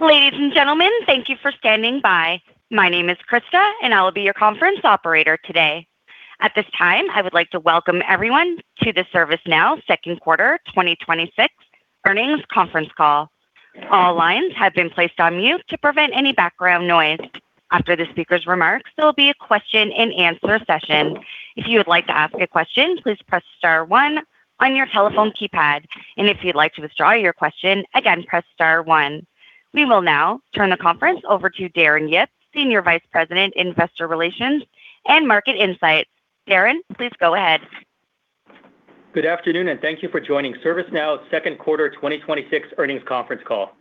Ladies and gentlemen, thank you for standing by. My name is Krista, and I will be your conference operator today. At this time, I would like to welcome everyone to the ServiceNow Second Quarter 2026 Earnings Conference Call. All lines have been placed on mute to prevent any background noise. After the speaker's remarks, there will be a question and answer session. If you would like to ask a question, please press star one on your telephone keypad. If you'd like to withdraw your question, again, press star one. We will now turn the conference over to Darren Yip, Senior Vice President, Investor Relations and Market Insight. Darren, please go ahead. Good afternoon, thank you for joining ServiceNow Second Quarter 2026 Earnings Conference Call.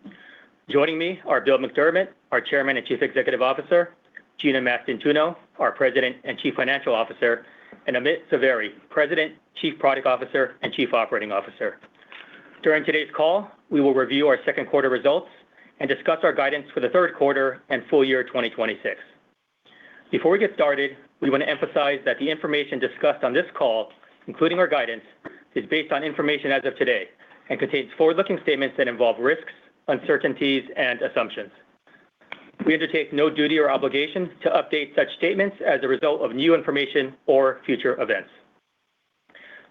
Joining me are Bill McDermott, our Chairman and Chief Executive Officer, Gina Mastantuono, our President and Chief Financial Officer, and Amit Zavery, President, Chief Product Officer, and Chief Operating Officer. During today's call, we will review our second quarter results and discuss our guidance for the third quarter and full year 2026. Before we get started, we want to emphasize that the information discussed on this call, including our guidance, is based on information as of today and contains forward-looking statements that involve risks, uncertainties, and assumptions. We undertake no duty or obligation to update such statements as a result of new information or future events.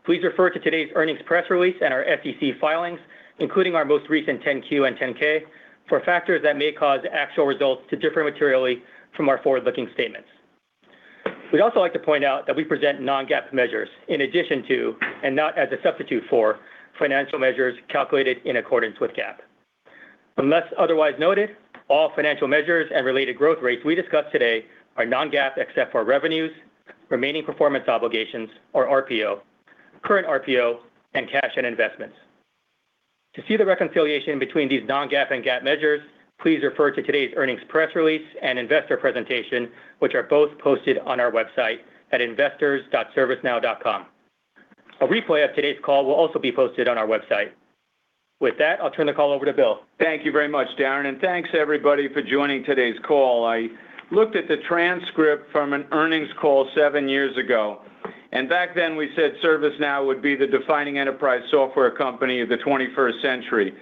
Please refer to today's earnings press release and our SEC filings, including our most recent 10-Q and 10-K, for factors that may cause actual results to differ materially from our forward-looking statements. We'd also like to point out that we present non-GAAP measures in addition to, and not as a substitute for, financial measures calculated in accordance with GAAP. Unless otherwise noted, all financial measures and related growth rates we discuss today are non-GAAP except for revenues, remaining performance obligations or RPO, current RPO, and cash and investments. To see the reconciliation between these non-GAAP and GAAP measures, please refer to today's earnings press release and investor presentation, which are both posted on our website at investors.servicenow.com. A replay of today's call will also be posted on our website. With that, I'll turn the call over to Bill. Thank you very much, Darren, thanks everybody for joining today's call. I looked at the transcript from an earnings call seven years ago. Back then we said ServiceNow would be the defining enterprise software company of the 21st century.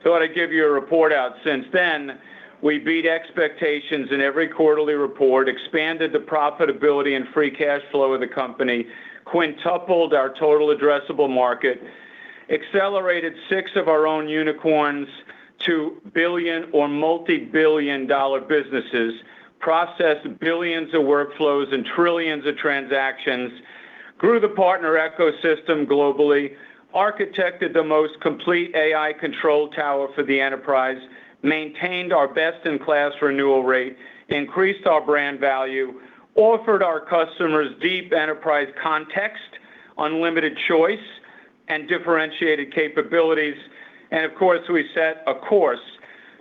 I thought I'd give you a report out since then. We beat expectations in every quarterly report, expanded the profitability and free cash flow of the company, quintupled our total addressable market, accelerated six of our own unicorns to billion or multi-billion dollar businesses, processed billions of workflows and trillions of transactions, grew the partner ecosystem globally, architected the most complete AI Control Tower for the enterprise, maintained our best-in-class renewal rate, increased our brand value, offered our customers deep enterprise context, unlimited choice, and differentiated capabilities. Of course, we set a course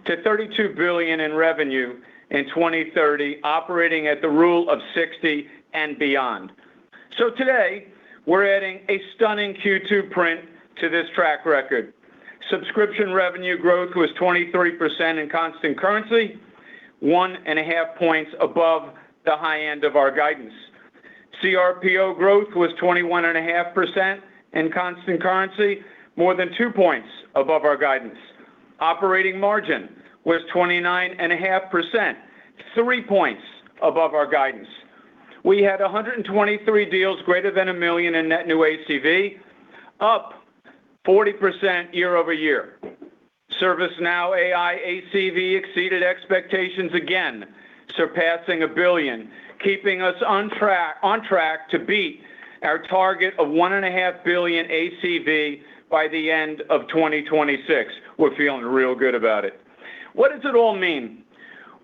to $32 billion in revenue in 2030, operating at the rule of 60 and beyond. Today, we're adding a stunning Q2 print to this track record. Subscription revenue growth was 23% in constant currency, one and a half points above the high end of our guidance. CRPO growth was 21.5% in constant currency, more than two points above our guidance. Operating margin was 29.5%, three points above our guidance. We had 123 deals greater than $1 million in net new ACV, up 40% year-over-year. ServiceNow AI ACV exceeded expectations again, surpassing $1 billion, keeping us on track to beat our target of one and a half billion ACV by the end of 2026. We're feeling real good about it. What does it all mean?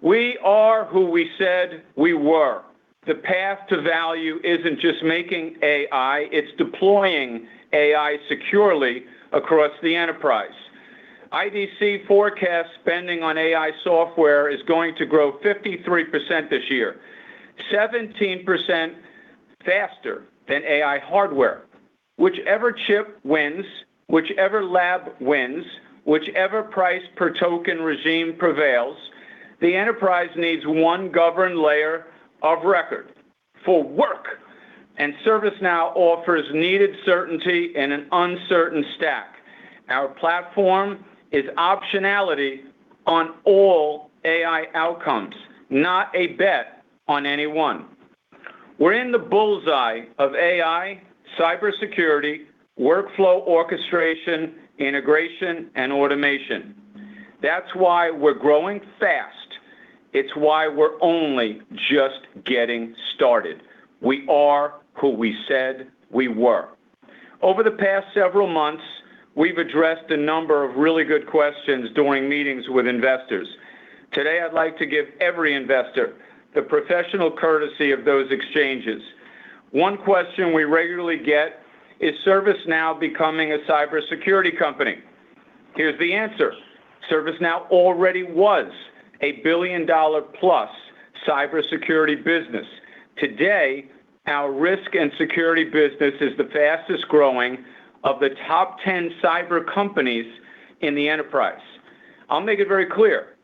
We are who we said we were. The path to value isn't just making AI, it's deploying AI securely across the enterprise. IDC forecasts spending on AI software is going to grow 53% this year, 17% faster than AI hardware. Whichever chip wins, whichever lab wins, whichever price per token regime prevails, the enterprise needs one governed layer of record for work, ServiceNow offers needed certainty in an uncertain stack. Our platform is optionality on all AI outcomes, not a bet on any one. We're in the bullseye of AI, cybersecurity, workflow orchestration, integration, and automation. That's why we're growing fast. It's why we're only just getting started. We are who we said we were. Over the past several months, we've addressed a number of really good questions during meetings with investors. Today, I'd like to give every investor the professional courtesy of those exchanges. One question we regularly get, is ServiceNow becoming a cybersecurity company? Here's the answer. ServiceNow already was a $1 billion-plus cybersecurity business. Today, our risk and security business is the fastest-growing of the top 10 cyber companies in the enterprise. I'll make it very clear.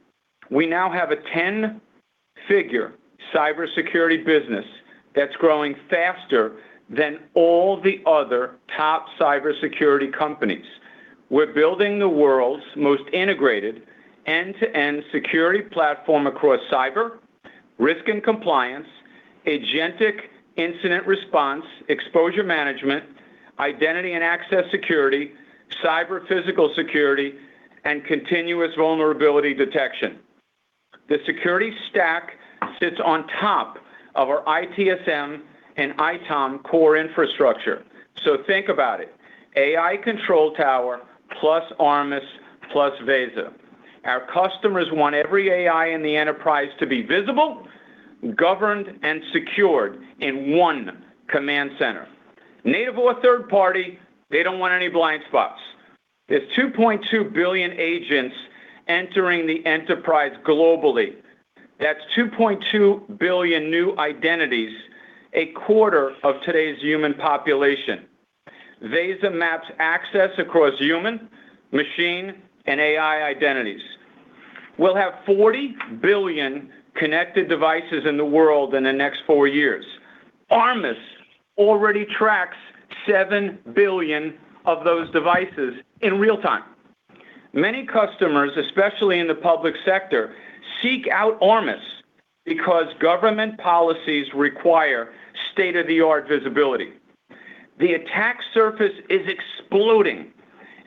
We now have a 10-figure cybersecurity business that's growing faster than all the other top cybersecurity companies. We're building the world's most integrated end-to-end security platform across cyber risk and compliance agentic incident response, exposure management identity and access security cyber physical security and continuous vulnerability detection. The security stack sits on top of our ITSM and ITOM core infrastructure. Think about it AI Control Tower plus Armis plus Veza. Our customers want every AI in the enterprise to be visible, governed, and secured in one command center, native or third party, they don't want any blind spots. There's 2.2 billion agents entering the enterprise globally. That's 2.2 billion new identities, a quarter of today's human population. Veza maps access across human, machine, and AI identities. We'll have 40 billion connected devices in the world in the next four years. Armis already tracks 7 billion of those devices in real time. Many customers, especially in the public sector, seek out Armis because government policies require state-of-the-art visibility. The attack surface is exploding.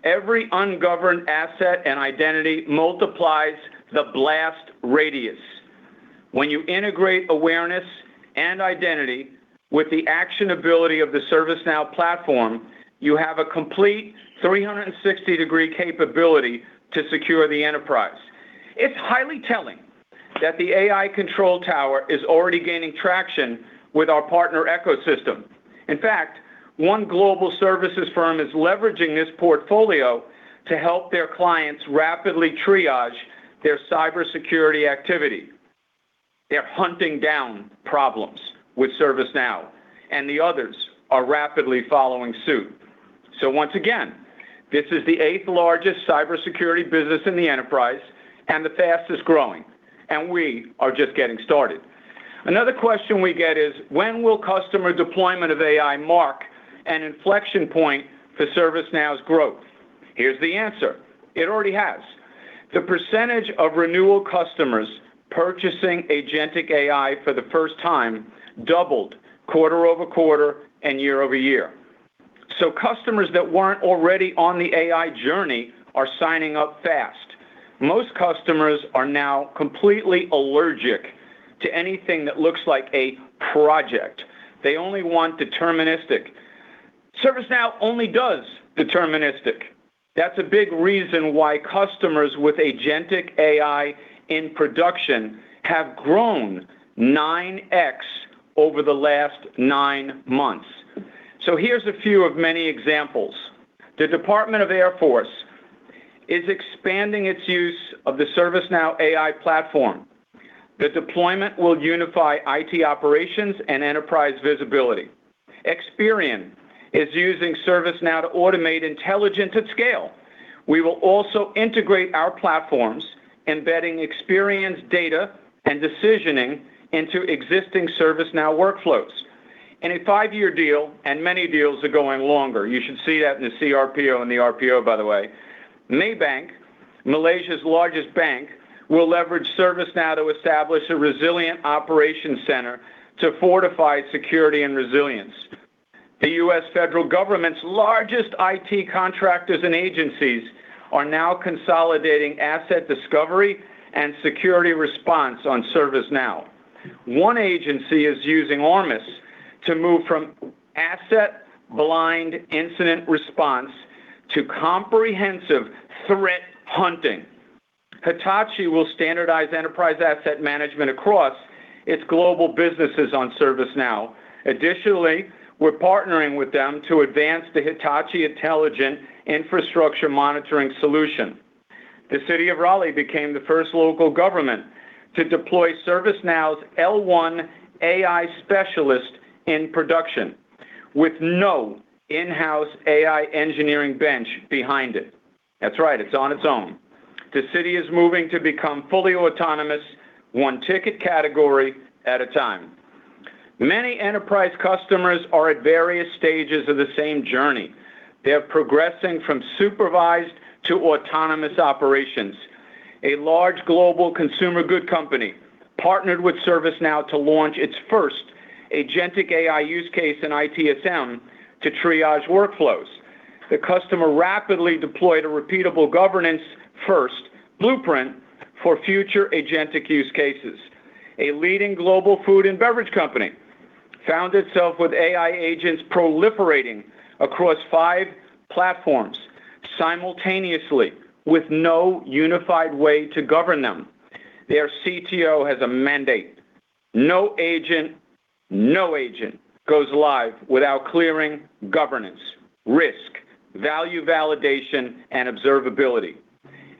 Every ungoverned asset and identity multiplies the blast radius. When you integrate awareness and identity with the actionability of the ServiceNow platform, you have a complete 360-degree capability to secure the enterprise. It's highly telling that the AI Control Tower is already gaining traction with our partner ecosystem. In fact, one global services firm is leveraging this portfolio to help their clients rapidly triage their cybersecurity activity. They're hunting down problems with ServiceNow and the others are rapidly following suit. Once again, this is the eighth-largest cybersecurity business in the enterprise and the fastest-growing, and we are just getting started. Another question we get is, when will customer deployment of AI mark an inflection point for ServiceNow's growth? Here's the answer. It already has. The percentage of renewal customers purchasing agentic AI for the first time doubled quarter-over-quarter and year-over-year. Customers that weren't already on the AI journey are signing up fast. Most customers are now completely allergic to anything that looks like a project. They only want deterministic. ServiceNow only does deterministic. That's a big reason why customers with agentic AI in production have grown 9x over the last nine months. Here's a few of many examples. The Department of the Air Force is expanding its use of the ServiceNow AI Platform. The deployment will unify IT operations and enterprise visibility. Experian is using ServiceNow to automate intelligence at scale. We will also integrate our platforms, embedding experience, data, and decisioning into existing ServiceNow workflows. In a five-year deal, many deals are going longer. You should see that in the cRPO and the RPO, by the way. Maybank, Malaysia's largest bank, will leverage ServiceNow to establish a resilient operation center to fortify security and resilience. The U.S. federal government's largest IT contractors and agencies are now consolidating asset discovery and security response on ServiceNow. One agency is using Armis to move from asset blind incident response to comprehensive threat hunting. Hitachi will standardize enterprise asset management across its global businesses on ServiceNow. Additionally, we're partnering with them to advance the Hitachi Intelligent Infrastructure Monitoring solution. The City of Raleigh became the first local government to deploy ServiceNow's L1 AI specialist in production with no in-house AI engineering bench behind it. That's right. It's on its own. The city is moving to become fully autonomous, one ticket category at a time. Many enterprise customers are at various stages of the same journey. They're progressing from supervised to autonomous operations. A large global consumer goods company partnered with ServiceNow to launch its first agentic AI use case in ITSM to triage workflows. The customer rapidly deployed a repeatable governance first blueprint for future agentic use cases. A leading global food and beverage company found itself with AI agents proliferating across five platforms simultaneously with no unified way to govern them. Their CTO has a mandate. No agent goes live without clearing governance, risk, value validation, and observability.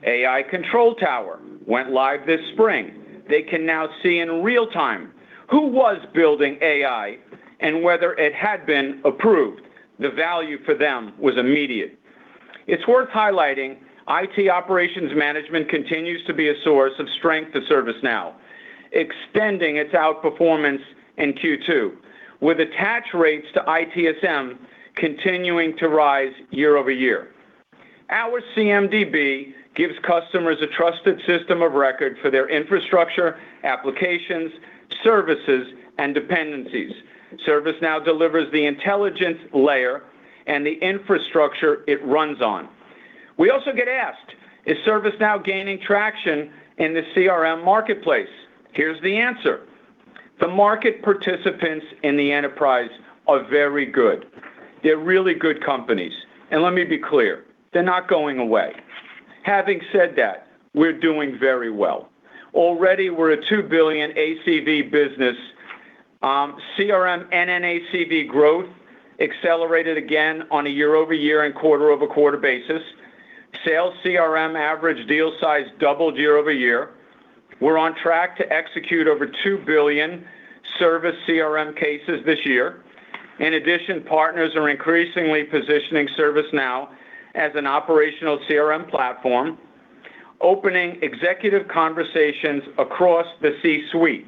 AI Control Tower went live this spring. They can now see in real time who was building AI and whether it had been approved. The value for them was immediate. It's worth highlighting IT Operations Management continues to be a source of strength to ServiceNow, extending its outperformance in Q2 with attach rates to ITSM continuing to rise year-over-year. Our CMDB gives customers a trusted system of record for their infrastructure, applications, services, and dependencies. ServiceNow delivers the intelligence layer and the infrastructure it runs on. We also get asked, "Is ServiceNow gaining traction in the CRM marketplace?" Here's the answer. The market participants in the enterprise are very good. They're really good companies. Let me be clear, they're not going away. Having said that, we're doing very well. Already, we're a $2 billion ACV business. CRM NNACV growth accelerated again on a year-over-year and quarter-over-quarter basis. Sales CRM average deal size doubled year-over-year. We're on track to execute over 2 billion service CRM cases this year. In addition, partners are increasingly positioning ServiceNow as an operational CRM platform, opening executive conversations across the C-suite.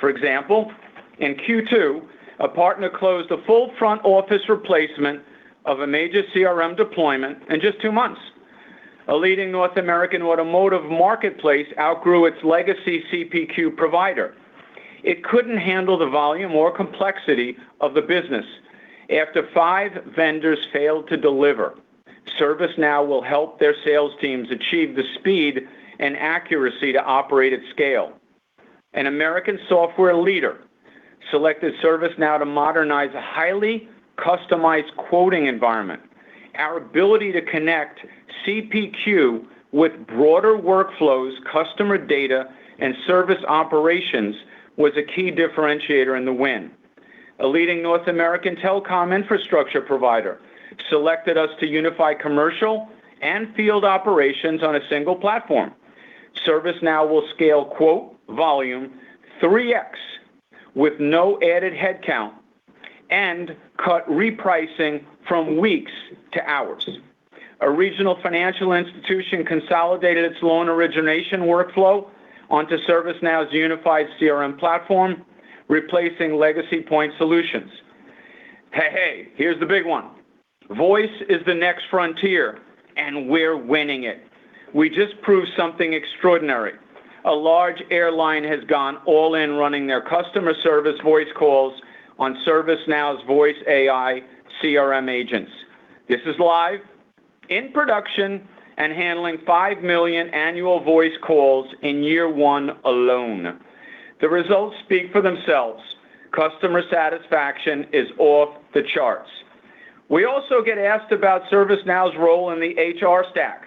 For example, in Q2, a partner closed a full front office replacement of a major CRM deployment in just two months. A leading North American automotive marketplace outgrew its legacy CPQ provider. It couldn't handle the volume or complexity of the business after five vendors failed to deliver. ServiceNow will help their sales teams achieve the speed and accuracy to operate at scale. An American software leader selected ServiceNow to modernize a highly customized quoting environment. Our ability to connect CPQ with broader workflows, customer data, and service operations was a key differentiator in the win. A leading North American telecom infrastructure provider selected us to unify commercial and field operations on a single platform. ServiceNow will scale quote volume 3x with no added headcount and cut repricing from weeks to hours. A regional financial institution consolidated its loan origination workflow onto ServiceNow's unified CRM platform, replacing legacy point solutions. Hey, here's the big one. Voice is the next frontier, we're winning it. We just proved something extraordinary. A large airline has gone all in running their customer service voice calls on ServiceNow's voice AI CRM agents. This is live in production and handling 5 million annual voice calls in year one alone. The results speak for themselves. Customer satisfaction is off the charts. We also get asked about ServiceNow's role in the HR stack.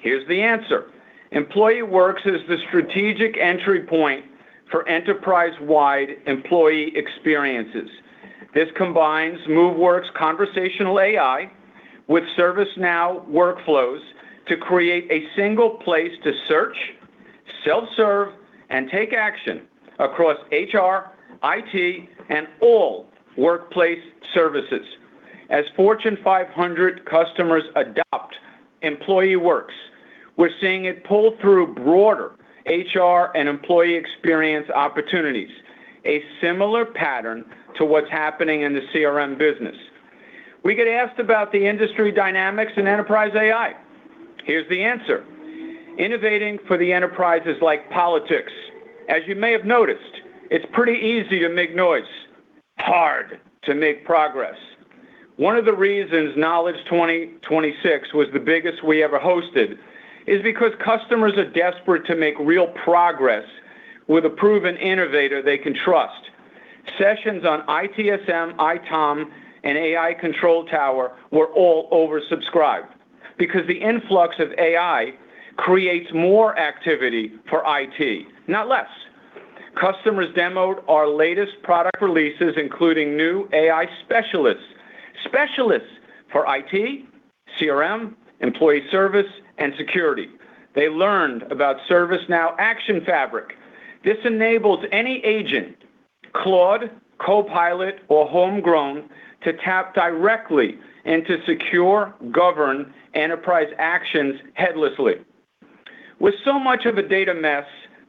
Here's the answer. EmployeeWorks is the strategic entry point for enterprise-wide employee experiences. This combines Moveworks conversational AI with ServiceNow workflows to create a single place to search, self-serve, and take action across HR, IT, and all workplace services. As Fortune 500 customers adopt EmployeeWorks, we're seeing it pull through broader HR and employee experience opportunities, a similar pattern to what's happening in the CRM business. We get asked about the industry dynamics in enterprise AI. Here's the answer. Innovating for the enterprise is like politics. As you may have noticed, it's pretty easy to make noise, hard to make progress. One of the reasons Knowledge 2026 was the biggest we ever hosted is because customers are desperate to make real progress with a proven innovator they can trust. Sessions on ITSM, ITOM, and AI Control Tower were all oversubscribed because the influx of AI creates more activity for IT, not less. Customers demoed our latest product releases, including new AI specialists. Specialists for IT, CRM, employee service, and security. They learned about ServiceNow AI Action Fabric. This enables any agent, Claude, copilot, or homegrown, to tap directly into secure, governed enterprise actions headlessly. With so much of a data mess,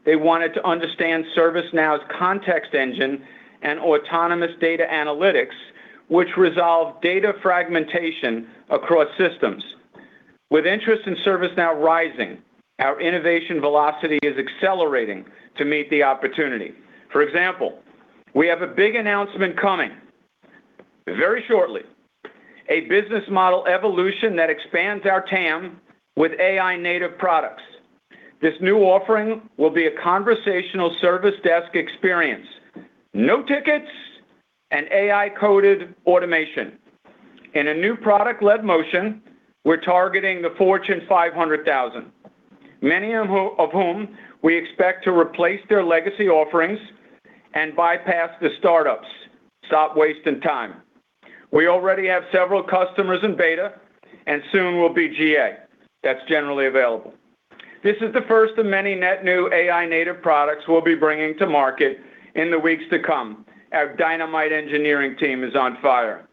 they wanted to understand ServiceNow's context engine and autonomous data analytics, which resolve data fragmentation across systems. With interest in ServiceNow rising, our innovation velocity is accelerating to meet the opportunity. For example, we have a big announcement coming very shortly, a business model evolution that expands our TAM with AI-native products. This new offering will be a conversational service desk experience, no tickets, and AI-coded automation. In a new product-led motion, we're targeting the Fortune 500,000, many of whom we expect to replace their legacy offerings and bypass the startups. Stop wasting time. We already have several customers in beta, soon we'll be GA. That's generally available. This is the first of many net new AI native products we'll be bringing to market in the weeks to come. Our dynamite engineering team is on fire.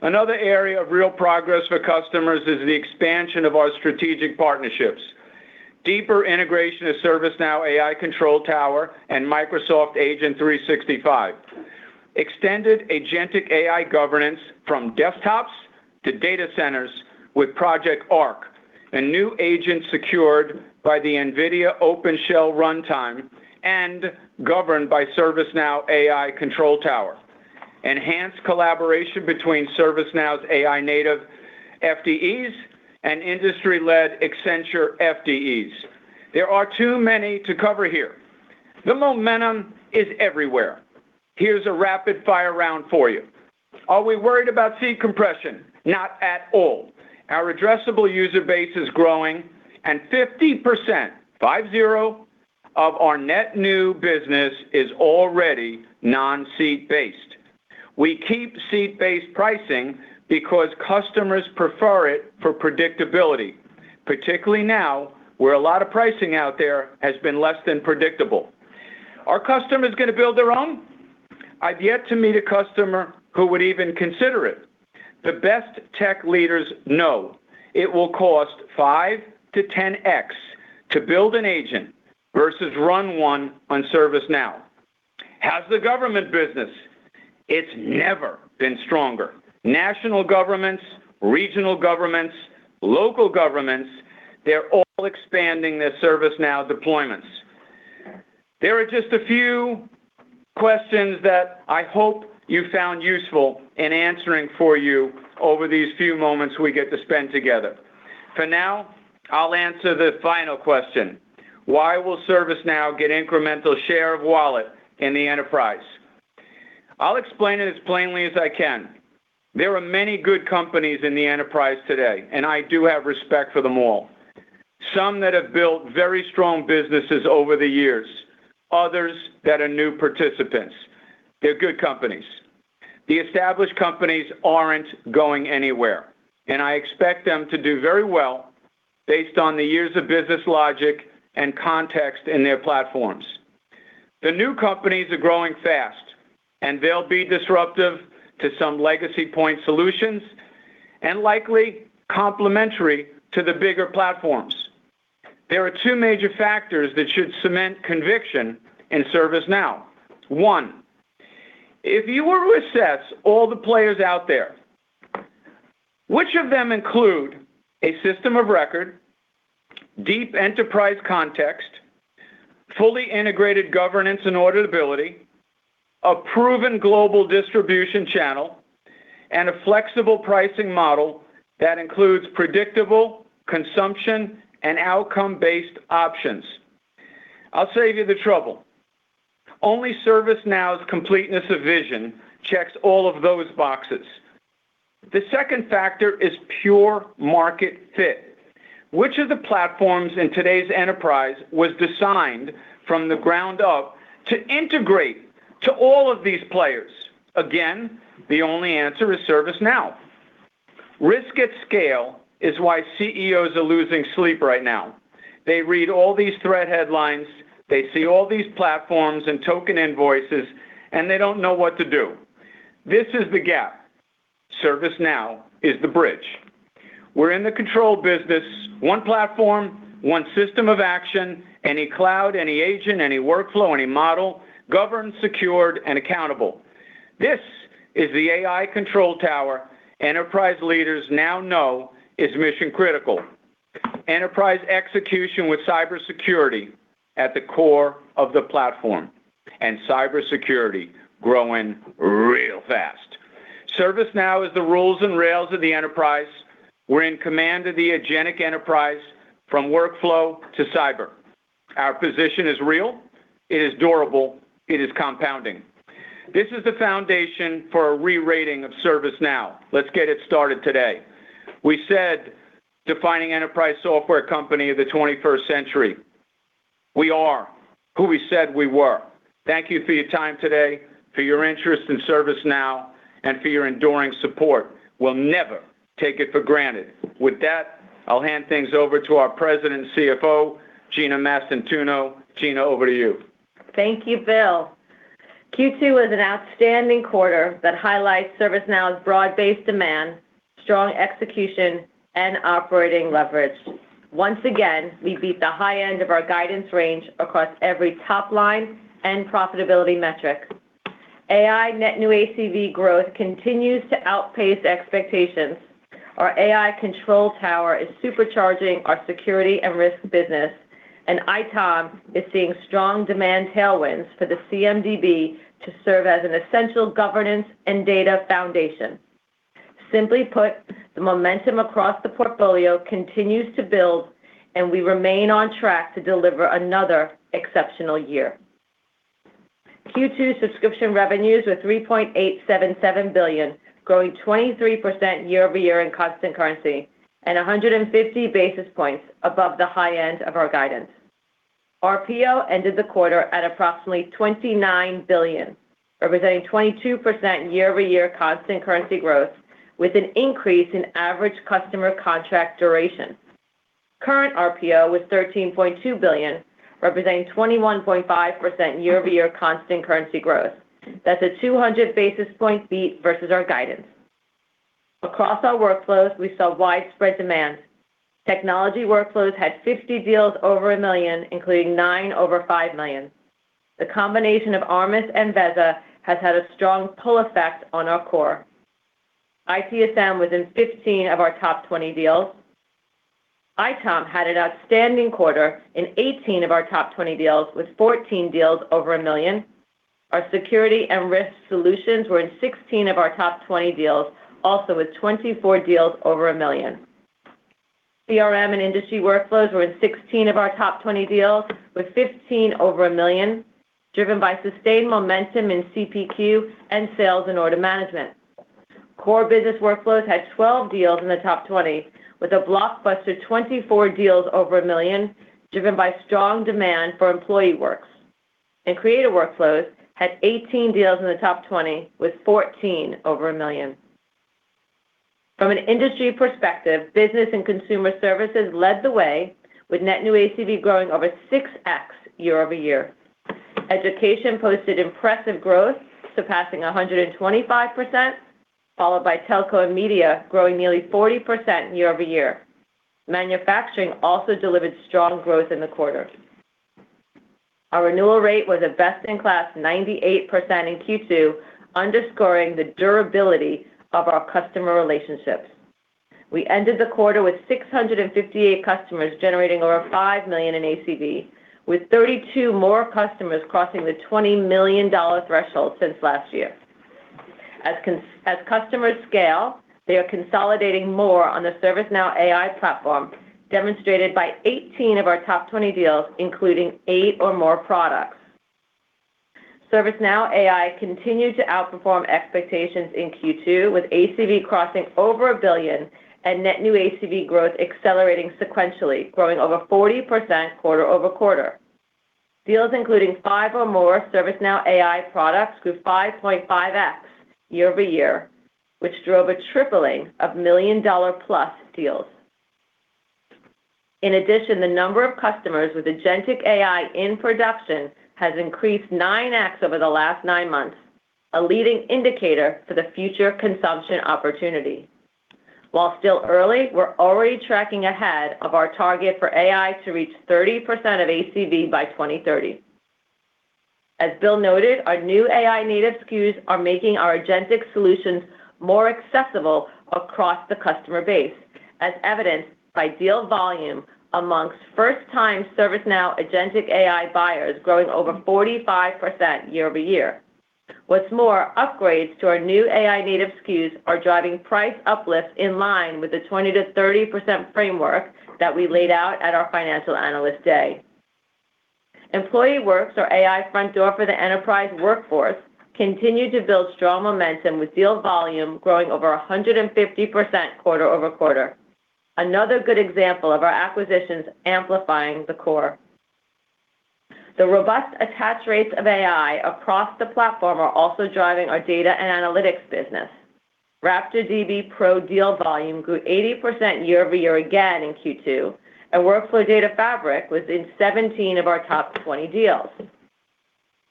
Another area of real progress for customers is the expansion of our strategic partnerships. Deeper integration of ServiceNow AI Control Tower and Microsoft Agent 365. Extended agentic AI governance from desktops to data centers with Project Arc. A new agent secured by the NVIDIA OpenShell runtime and governed by ServiceNow AI Control Tower. Enhanced collaboration between ServiceNow's AI native FDEs and industry-led Accenture FDEs. There are too many to cover here. The momentum is everywhere. Here's a rapid-fire round for you. Are we worried about seat compression? Not at all. Our addressable user base is growing and 50%, five zero, of our net new business is already non-seat based. We keep seat-based pricing because customers prefer it for predictability, particularly now, where a lot of pricing out there has been less than predictable. Are customers going to build their own? I've yet to meet a customer who would even consider it. The best tech leaders know it will cost 5x to 10x to build an agent versus run one on ServiceNow. How's the government business? It's never been stronger. National governments, regional governments, local governments, they're all expanding their ServiceNow deployments. There are just a few questions that I hope you found useful in answering for you over these few moments we get to spend together. For now, I'll answer the final question. Why will ServiceNow get incremental share of wallet in the enterprise? I'll explain it as plainly as I can. There are many good companies in the enterprise today, and I do have respect for them all. Some that have built very strong businesses over the years, others that are new participants. They're good companies. The established companies aren't going anywhere, and I expect them to do very well based on the years of business logic and context in their platforms. The new companies are growing fast, and they'll be disruptive to some legacy point solutions and likely complementary to the bigger platforms. There are two major factors that should cement conviction in ServiceNow. One, if you were to assess all the players out there, which of them include a system of record, deep enterprise context, fully integrated governance and auditability, a proven global distribution channel, and a flexible pricing model that includes predictable consumption and outcome-based options? I'll save you the trouble. Only ServiceNow's completeness of vision checks all of those boxes. The second factor is pure market fit. Which of the platforms in today's enterprise was designed from the ground up to integrate to all of these players? Again, the only answer is ServiceNow. Risk at scale is why CEOs are losing sleep right now. They read all these threat headlines, they see all these platforms and token invoices, and they don't know what to do. This is the gap. ServiceNow is the bridge. We're in the control business. One platform, one system of action, any cloud, any agent, any workflow, any model, governed, secured and accountable. This is the AI Control Tower enterprise leaders now know is mission-critical. Enterprise execution with cybersecurity at the core of the platform, and cybersecurity growing real fast. ServiceNow is the rules and rails of the enterprise. We're in command of the agentic enterprise from workflow to cyber. Our position is real, it is durable, it is compounding. This is the foundation for a re-rating of ServiceNow. Let's get it started today. We said defining enterprise software company of the 21st century. We are who we said we were. Thank you for your time today, for your interest in ServiceNow, and for your enduring support. We'll never take it for granted. With that, I'll hand things over to our President and CFO, Gina Mastantuono. Gina, over to you. Thank you, Bill. Q2 was an outstanding quarter that highlights ServiceNow's broad-based demand, strong execution, and operating leverage. Once again, we beat the high end of our guidance range across every top line and profitability metric. AI net new ACV growth continues to outpace expectations. Our AI Control Tower is supercharging our security and risk business. ITOM is seeing strong demand tailwinds for the CMDB to serve as an essential governance and data foundation. Simply put, the momentum across the portfolio continues to build. We remain on track to deliver another exceptional year. Q2 subscription revenues were $3.877 billion, growing 23% year-over-year in constant currency and 150 basis points above the high end of our guidance. RPO ended the quarter at approximately $29 billion, representing 22% year-over-year constant currency growth with an increase in average customer contract duration. Current RPO was $13.2 billion, representing 21.5% year-over-year constant currency growth. That's a 200 basis point beat versus our guidance. Across our workflows, we saw widespread demand. Technology workflows had 50 deals over $1 million, including nine over $5 million. The combination of Armis and Veza has had a strong pull effect on our core. ITSM was in 15 of our top 20 deals. ITOM had an outstanding quarter in 18 of our top 20 deals, with 14 deals over $1 million. Our security and risk solutions were in 16 of our top 20 deals, also with 24 deals over $1 million. CRM and industry workflows were in 16 of our top 20 deals, with 15 over $1 million, driven by sustained momentum in CPQ and sales and order management. Core business workflows had 12 deals in the top 20, with a blockbuster 24 deals over $1 million, driven by strong demand for EmployeeWorks. Creative workflows had 18 deals in the top 20, with 14 over $1 million. From an industry perspective, business and consumer services led the way with net new ACV growing over 6x year-over-year. Education posted impressive growth, surpassing 125%, followed by telco and media growing nearly 40% year-over-year. Manufacturing also delivered strong growth in the quarter. Our renewal rate was a best-in-class 98% in Q2, underscoring the durability of our customer relationships. We ended the quarter with 658 customers generating over $5 million in ACV, with 32 more customers crossing the $20 million threshold since last year. As customers scale, they are consolidating more on the ServiceNow AI Platform, demonstrated by 18 of our top 20 deals, including eight or more products. ServiceNow AI continued to outperform expectations in Q2, with ACV crossing over $1 billion and net new ACV growth accelerating sequentially, growing over 40% quarter-over-quarter. Deals including five or more ServiceNow AI products grew 5.5x year-over-year, which drove a tripling of million-dollar-plus deals. In addition, the number of customers with agentic AI in production has increased 9x over the last nine months, a leading indicator for the future consumption opportunity. While still early, we're already tracking ahead of our target for AI to reach 30% of ACV by 2030. As Bill noted, our new AI-native SKUs are making our agentic solutions more accessible across the customer base, as evidenced by deal volume amongst first-time ServiceNow agentic AI buyers growing over 45% year-over-year. What's more, upgrades to our new AI-native SKUs are driving price uplift in line with the 20%-30% framework that we laid out at our Financial Analyst Day. EmployeeWorks, our AI front door for the enterprise workforce, continued to build strong momentum with deal volume growing over 150% quarter-over-quarter. Another good example of our acquisitions amplifying the core. The robust attach rates of AI across the platform are also driving our data and analytics business. RaptorDB Pro deal volume grew 80% year-over-year again in Q2, and Workflow Data Fabric was in 17 of our top 20 deals.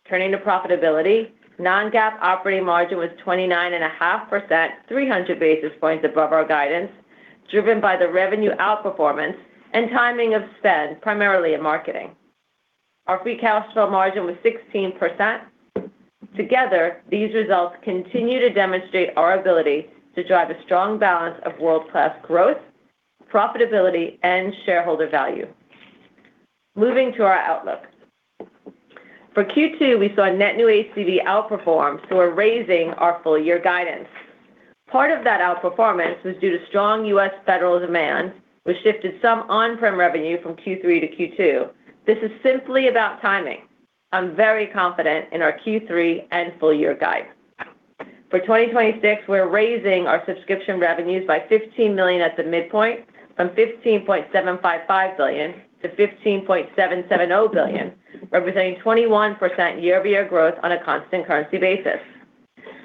Turning to profitability, non-GAAP operating margin was 29.5%, 300 basis points above our guidance, driven by the revenue outperformance and timing of spend, primarily in marketing. Our free cash flow margin was 16%. Together, these results continue to demonstrate our ability to drive a strong balance of world-class growth, profitability, and shareholder value. Moving to our outlook. For Q2, we saw net new ACV outperform, so we're raising our full-year guidance. Part of that outperformance was due to strong U.S. federal demand, which shifted some on-prem revenue from Q3 to Q2. This is simply about timing. I'm very confident in our Q3 and full-year guide. For 2026, we're raising our subscription revenues by $15 million at the midpoint from $15.755 billion-$15.770 billion, representing 21% year-over-year growth on a constant currency basis.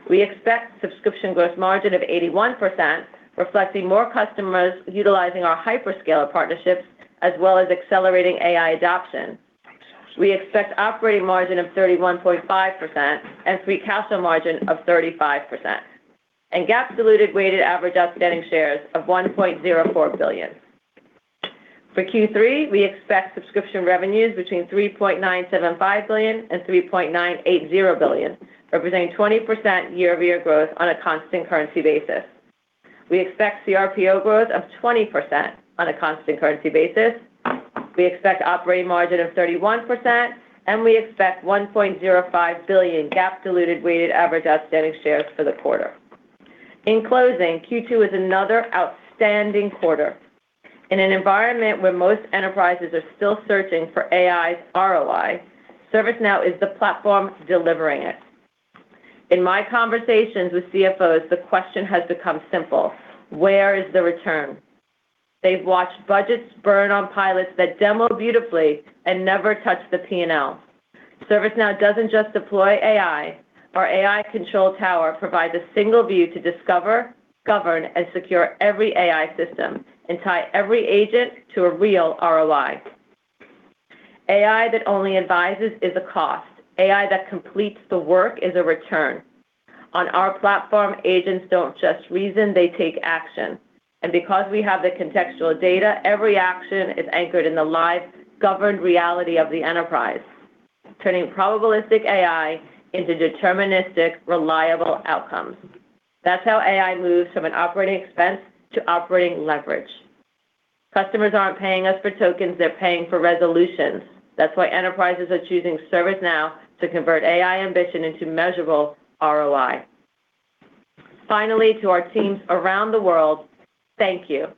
We expect subscription gross margin of 81%, reflecting more customers utilizing our hyperscaler partnerships as well as accelerating AI adoption. We expect operating margin of 31.5% and free cash flow margin of 35%, and GAAP diluted weighted average outstanding shares of 1.04 billion. For Q3, we expect subscription revenues between $3.975 billion and $3.980 billion, representing 20% year-over-year growth on a constant currency basis. We expect cRPO growth of 20% on a constant currency basis. We expect operating margin of 31%, and we expect 1.05 billion GAAP diluted weighted average outstanding shares for the quarter. In closing, Q2 is another outstanding quarter. In an environment where most enterprises are still searching for AI's ROI, ServiceNow is the platform delivering it. In my conversations with CFOs, the question has become simple: Where is the return? They've watched budgets burn on pilots that demo beautifully and never touch the P&L. ServiceNow doesn't just deploy AI. Our AI Control Tower provides a single view to discover, govern, and secure every AI system and tie every agent to a real ROI. AI that only advises is a cost. AI that completes the work is a return. On our platform, agents don't just reason, they take action. Because we have the contextual data, every action is anchored in the live, governed reality of the enterprise, turning probabilistic AI into deterministic, reliable outcomes. That's how AI moves from an operating expense to operating leverage. Customers aren't paying us for tokens, they're paying for resolutions. That's why enterprises are choosing ServiceNow to convert AI ambition into measurable ROI. Finally, to our teams around the world, thank you.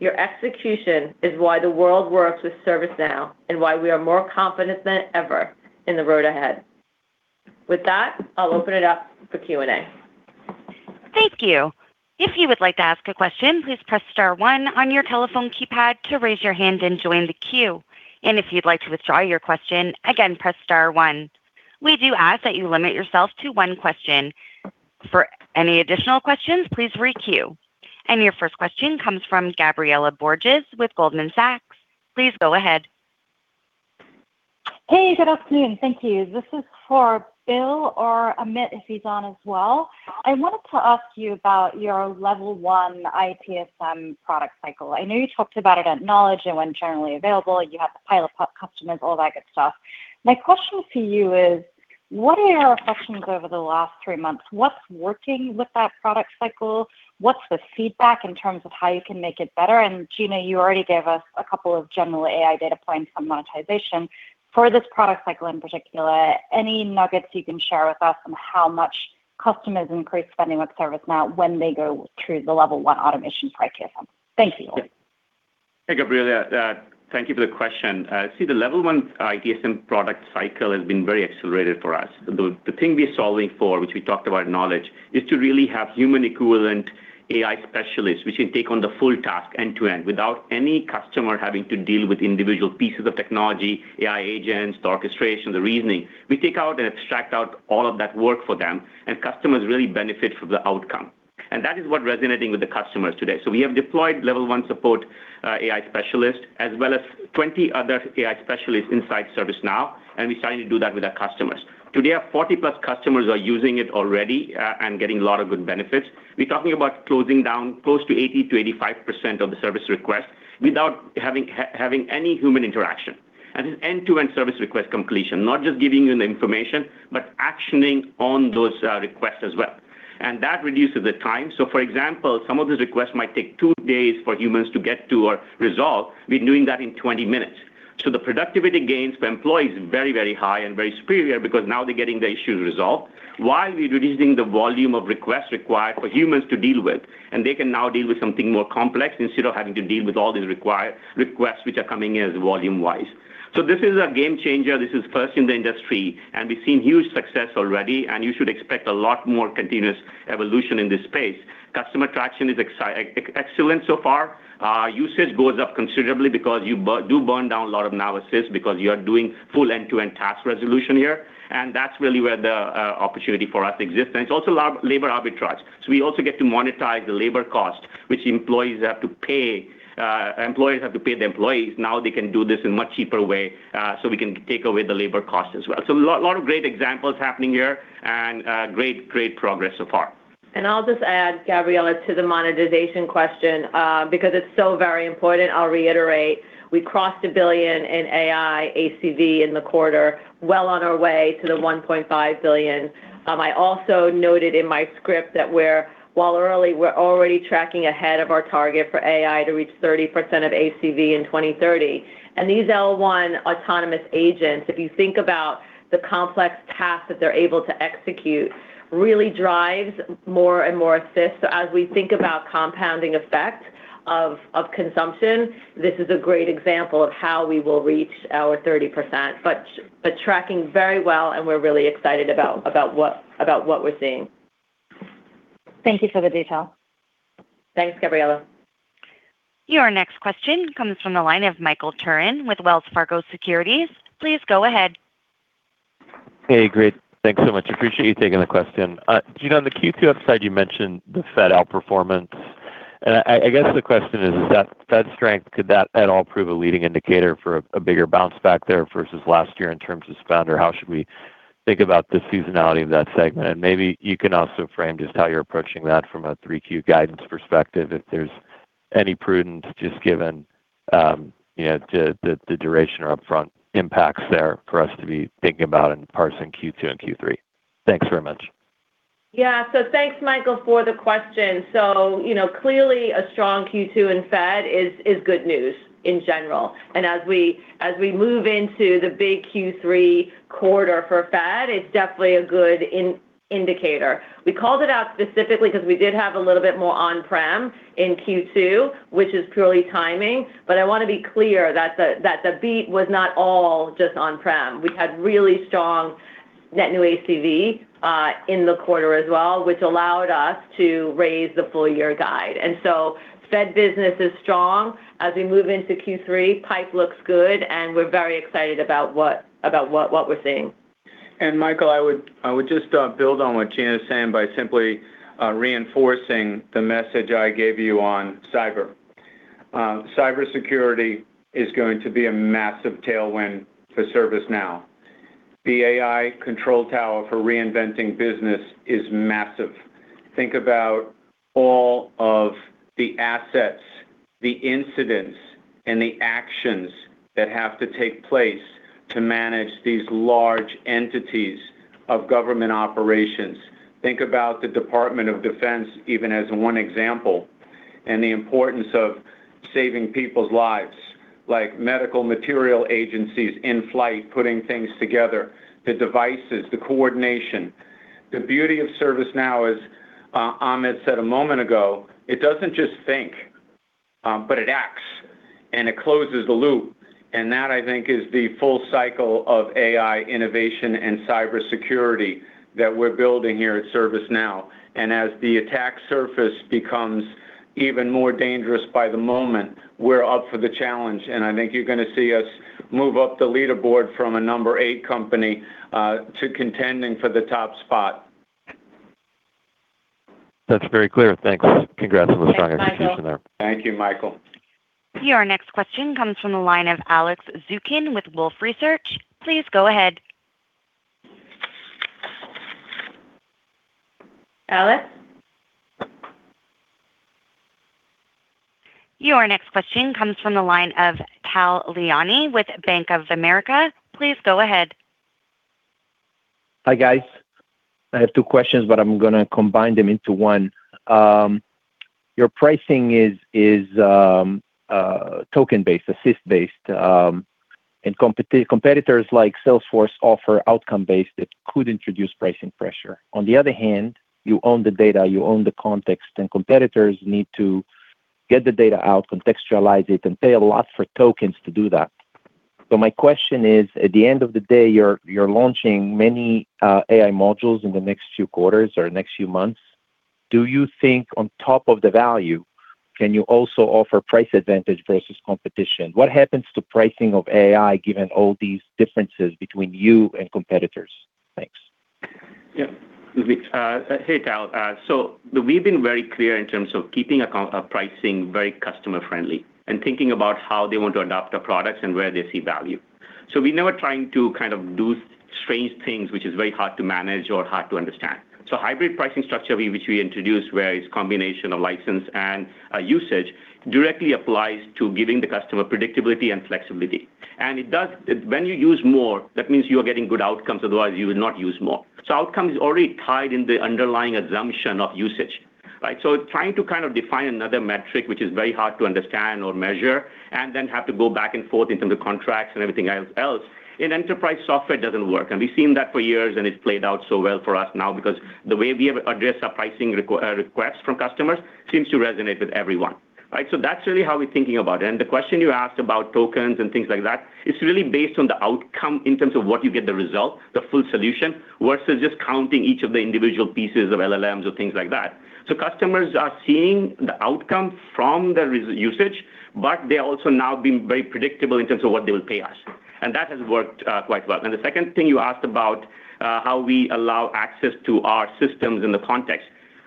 Your execution is why the world works with ServiceNow and why we are more confident than ever in the road ahead. With that, I'll open it up for Q&A. Thank you. If you would like to ask a question, please press star one on your telephone keypad to raise your hand and join the queue. If you'd like to withdraw your question, again, press star one. We do ask that you limit yourself to one question. For any additional questions, please re-queue. Your first question comes from Gabriela Borges with Goldman Sachs. Please go ahead. Hey, good afternoon. Thank you. This is for Bill or Amit, if he's on as well. I wanted to ask you about your level 1 ITSM product cycle. I know you talked about it at Knowledge and when generally available, you have the pilot customers, all that good stuff. My question to you is, what are your reflections over the last three months? What's working with that product cycle? What's the feedback in terms of how you can make it better? Gina, you already gave us a couple of general AI data points on monetization. For this product cycle in particular, any nuggets you can share with us on how much customers increase spending with ServiceNow when they go through the level 1 automation for ITSM? Thank you. Hey, Gabriela. Thank you for the question. The level 1 ITSM product cycle has been very accelerated for us. The thing we're solving for, which we talked about at Knowledge, is to really have human-equivalent AI specialists, which can take on the full task end-to-end without any customer having to deal with individual pieces of technology, AI agents, the orchestration, the reasoning. We take out and extract out all of that work for them, and customers really benefit from the outcome. That is what resonating with the customers today. We have deployed level 1 support AI specialists, as well as 20 other AI specialists inside ServiceNow, and we're starting to do that with our customers. Today, our 40+ customers are using it already and getting a lot of good benefits. We're talking about closing down close to 80%-85% of the service requests without having any human interaction. It's end-to-end service request completion, not just giving you the information, but actioning on those requests as well. That reduces the time. For example, some of these requests might take two days for humans to get to a resolve. We're doing that in 20 minutes. The productivity gains for employees is very high and very superior because now they're getting the issues resolved while we're reducing the volume of requests required for humans to deal with. They can now deal with something more complex instead of having to deal with all these requests which are coming in volume-wise. This is a game changer. This is first in the industry, we've seen huge success already, you should expect a lot more continuous evolution in this space. Customer traction is excellent so far. Usage goes up considerably because you do burn down a lot of analysis because you are doing full end-to-end task resolution here, that's really where the opportunity for us exists. It's also labor arbitrage. We also get to monetize the labor cost, which employers have to pay the employees. Now they can do this in a much cheaper way, we can take away the labor cost as well. A lot of great examples happening here and great progress so far. I'll just add, Gabriela, to the monetization question, because it's so very important, I'll reiterate, we crossed $1 billion in AI ACV in the quarter, well on our way to the $1.5 billion. I also noted in my script that while early, we're already tracking ahead of our target for AI to reach 30% of ACV in 2030. These L1 autonomous agents, if you think about the complex tasks that they're able to execute, really drives more and more assists. As we think about compounding effect of consumption, this is a great example of how we will reach our 30%. Tracking very well, we're really excited about what we're seeing. Thank you for the detail. Thanks, Gabriela. Your next question comes from the line of Michael Turrin with Wells Fargo Securities. Please go ahead. Hey, great. Thanks so much. Appreciate you taking the question. Gina, on the Q2 upside, you mentioned the Fed outperformance. I guess the question is that Fed strength, could that at all prove a leading indicator for a bigger bounce back there versus last year in terms of spend? How should we think about the seasonality of that segment? Maybe you can also frame just how you're approaching that from a 3Q guidance perspective, if there's any prudence just given the duration or upfront impacts there for us to be thinking about in parsing Q2 and Q3. Thanks very much. Yeah. Thanks, Michael, for the question. Clearly, a strong Q2 in Fed is good news in general. As we move into the big Q3 quarter for Fed, it's definitely a good indicator. We called it out specifically because we did have a little bit more on-prem in Q2, which is purely timing. I want to be clear that the beat was not all just on-prem. We had really strong Net new ACV in the quarter as well, which allowed us to raise the full-year guide. Fed business is strong as we move into Q3, pipe looks good, and we're very excited about what we're seeing. Michael, I would just build on what Gina is saying by simply reinforcing the message I gave you on cyber. Cybersecurity is going to be a massive tailwind for ServiceNow. The AI Control Tower for reinventing business is massive. Think about all of the assets, the incidents, and the actions that have to take place to manage these large entities of government operations. Think about the Department of Defense, even as one example, and the importance of saving people's lives, like medical material agencies in flight, putting things together, the devices, the coordination. The beauty of ServiceNow, as Amit said a moment ago, it doesn't just think, but it acts, and it closes the loop. That, I think, is the full cycle of AI innovation and cybersecurity that we're building here at ServiceNow. As the attack surface becomes even more dangerous by the moment, we're up for the challenge. I think you're going to see us move up the leaderboard from a number eight company, to contending for the top spot. That's very clear. Thanks. Congrats on the strong execution there. Yes, Michael. Thank you, Michael. Your next question comes from the line of Alex Zukin with Wolfe Research. Please go ahead. Alex? Your next question comes from the line of Tal Liani with Bank of America. Please go ahead. Hi, guys. I have two questions, but I'm going to combine them into one. Your pricing is token-based, assist-based, and competitors like Salesforce offer outcome-based that could introduce pricing pressure. On the other hand, you own the data, you own the context, and competitors need to get the data out, contextualize it, and pay a lot for tokens to do that. My question is, at the end of the day, you're launching many AI modules in the next few quarters or next few months. Do you think on top of the value, can you also offer price advantage versus competition? What happens to pricing of AI given all these differences between you and competitors? Thanks. Yeah. Hey, Tal. We've been very clear in terms of keeping our pricing very customer friendly and thinking about how they want to adopt our products and where they see value. We're never trying to do strange things which is very hard to manage or hard to understand. Hybrid pricing structure, which we introduced, where it's combination of license and usage directly applies to giving the customer predictability and flexibility. When you use more, that means you are getting good outcomes, otherwise you will not use more. Outcome is already tied in the underlying assumption of usage. Right? Trying to kind of define another metric, which is very hard to understand or measure, and then have to go back and forth in terms of contracts and everything else in enterprise software doesn't work. We've seen that for years, and it's played out so well for us now because the way we address our pricing requests from customers seems to resonate with everyone. Right. That's really how we're thinking about it. The question you asked about tokens and things like that, it's really based on the outcome in terms of what you get the result, the full solution, versus just counting each of the individual pieces of LLMs or things like that. Customers are seeing the outcome from the usage, but they're also now being very predictable in terms of what they will pay us. That has worked quite well. The second thing you asked about how we allow access to our systems in the context.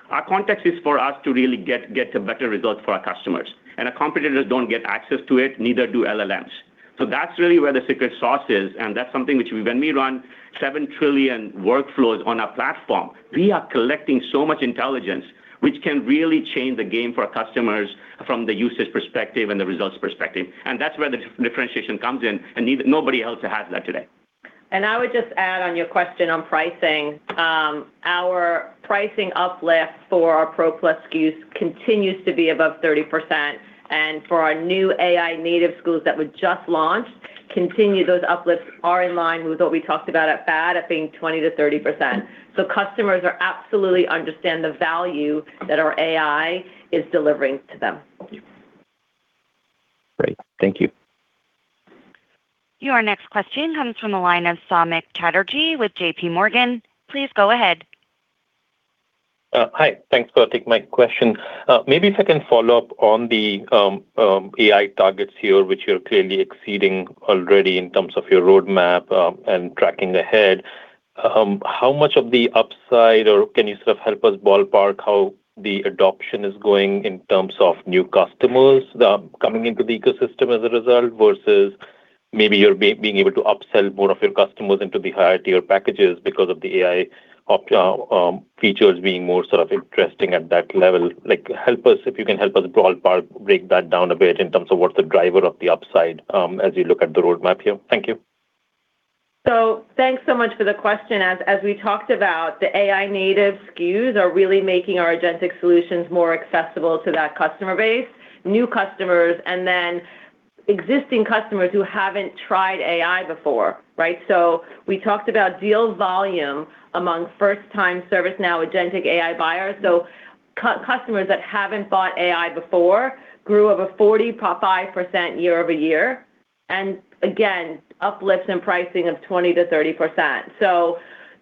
Our context is for us to really get a better result for our customers. Our competitors don't get access to it, neither do LLMs. That's really where the secret sauce is, and that's something which when we run 7 trillion workflows on our platform, we are collecting so much intelligence, which can really change the game for our customers from the usage perspective and the results perspective. That's where the differentiation comes in, and nobody else has that today. I would just add on your question on pricing. Our pricing uplift for our ProPlus SKUs continues to be above 30%, and for our new AI native SKUs that we just launched, those uplifts are in line with what we talked about at FAD at being 20%-30%. Customers absolutely understand the value that our AI is delivering to them. Great. Thank you. Your next question comes from the line of Samik Chatterjee with JPMorgan. Please go ahead. Hi. Thanks for taking my question. Maybe if I can follow up on the AI targets here, which you're clearly exceeding already in terms of your roadmap, and tracking ahead. How much of the upside, or can you sort of help us ballpark how the adoption is going in terms of new customers that are coming into the ecosystem as a result, versus maybe you're being able to upsell more of your customers into the higher tier packages because of the AI features being more sort of interesting at that level. If you can help us ballpark break that down a bit in terms of what the driver of the upside, as you look at the roadmap here. Thank you. Thanks so much for the question. As we talked about, the AI native SKUs are really making our agentic solutions more accessible to that customer base, new customers, and then existing customers who haven't tried AI before, right? We talked about deal volume among first-time ServiceNow agentic AI buyers. Customers that haven't bought AI before grew over 45% year-over-year. Again, uplift in pricing of 20%-30%.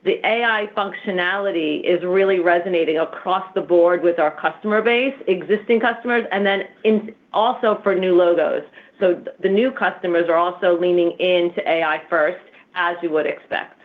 The AI functionality is really resonating across the board with our customer base, existing customers, and then also for new logos. The new customers are also leaning into AI first, as you would expect.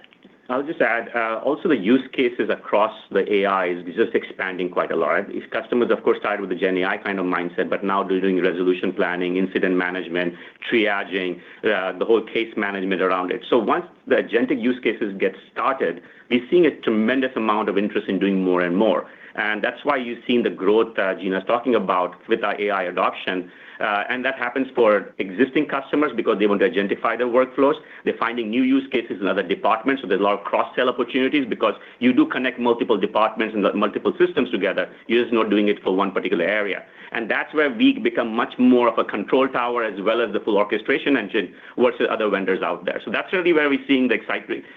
I'll just add, also, the use cases across the AI is just expanding quite a lot. These customers, of course, started with a GenAI kind of mindset, but now they're doing resolution planning, incident management, triaging, the whole case management around it. Once the agentic use cases get started, we're seeing a tremendous amount of interest in doing more and more. That's why you're seeing the growth that Gina's talking about with our AI adoption. That happens for existing customers because they want to agentify their workflows. They're finding new use cases in other departments, so there's a lot of cross-sell opportunities because you do connect multiple departments and multiple systems together. You're just not doing it for one particular area. That's where we become much more of a control tower as well as the full orchestration engine versus other vendors out there. That's really where we're seeing the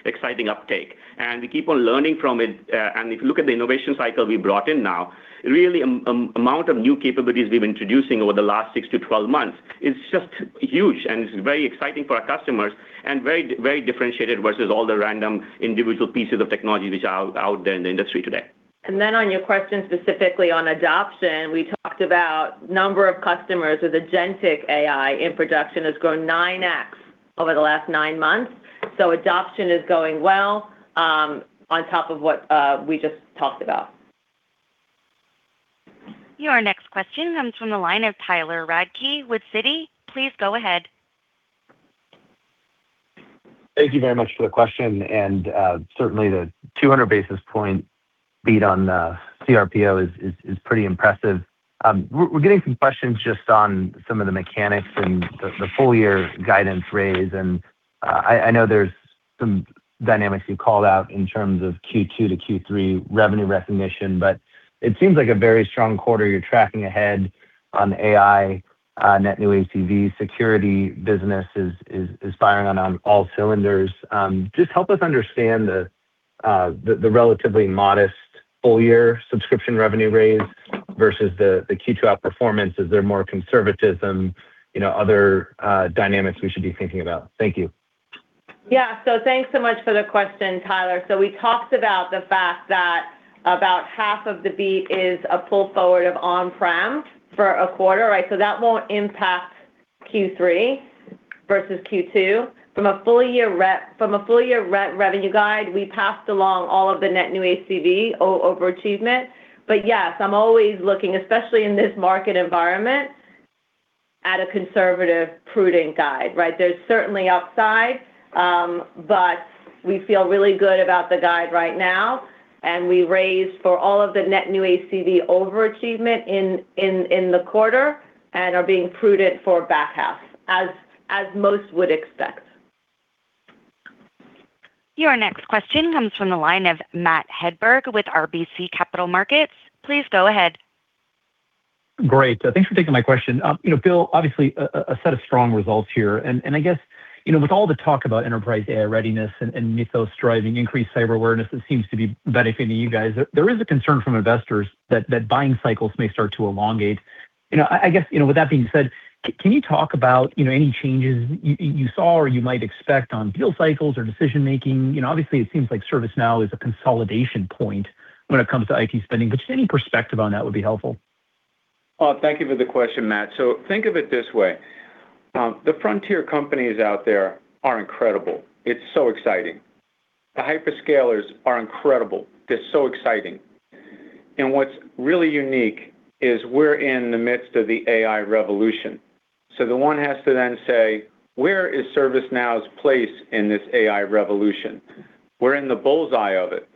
exciting uptake. We keep on learning from it. If you look at the innovation cycle we brought in now, really, amount of new capabilities we've been introducing over the last 6-12 months is just huge, and it's very exciting for our customers and very differentiated versus all the random individual pieces of technology which are out there in the industry today. On your question specifically on adoption, we talked about number of customers with agentic AI in production has grown 9x over the last nine months. Adoption is going well, on top of what we just talked about. Your next question comes from the line of Tyler Radke with Citi. Please go ahead. Thank you very much for the question. Certainly the 200 basis points beat on the cRPO is pretty impressive. We're getting some questions just on some of the mechanics and the full year guidance raise, and I know there's some dynamics you called out in terms of Q2 to Q3 revenue recognition, but it seems like a very strong quarter. You're tracking ahead on AI, net new ACV, security business is firing on all cylinders. Just help us understand the relatively modest full year subscription revenue raise versus the Q2 outperformance. Is there more conservatism, other dynamics we should be thinking about? Thank you. Thanks so much for the question, Tyler. We talked about the fact that about half of the beat is a pull forward of on-prem for a quarter, right? That won't impact Q3 versus Q2. From a full year revenue guide, we passed along all of the net new ACV over achievement. Yes, I'm always looking, especially in this market environment, at a conservative, prudent guide, right? There's certainly upside, but we feel really good about the guide right now, and we raised for all of the net new ACV over achievement in the quarter and are being prudent for back half, as most would expect. Your next question comes from the line of Matt Hedberg with RBC Capital Markets. Please go ahead. Great. Thanks for taking my question. Bill, obviously a set of strong results here. With all the talk about enterprise AI readiness and Mythos driving increased cyber awareness that seems to be benefiting you guys, there is a concern from investors that buying cycles may start to elongate. With that being said, can you talk about any changes you saw or you might expect on deal cycles or decision-making? Obviously it seems like ServiceNow is a consolidation point when it comes to IT spending, but just any perspective on that would be helpful. Thank you for the question, Matt. Think of it this way. The frontier companies out there are incredible. It's so exciting. The hyperscalers are incredible. They're so exciting. What's really unique is we're in the midst of the AI revolution. The one has to then say, where is ServiceNow's place in this AI revolution? We're in the bullseye of it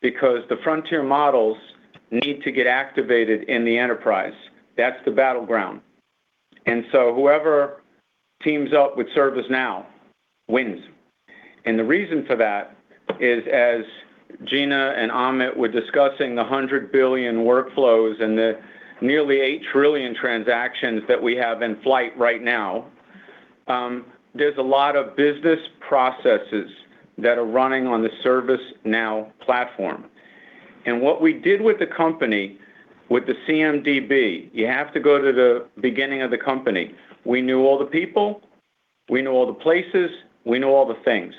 because the frontier models need to get activated in the enterprise. That's the battleground. Whoever teams up with ServiceNow wins. The reason for that is, as Gina and Amit were discussing, the 100 billion workflows and the nearly 8 trillion transactions that we have in flight right now, there's a lot of business processes that are running on the ServiceNow platform. What we did with the company with the CMDB, you have to go to the beginning of the company. We knew all the people, we know all the places, we know all the things.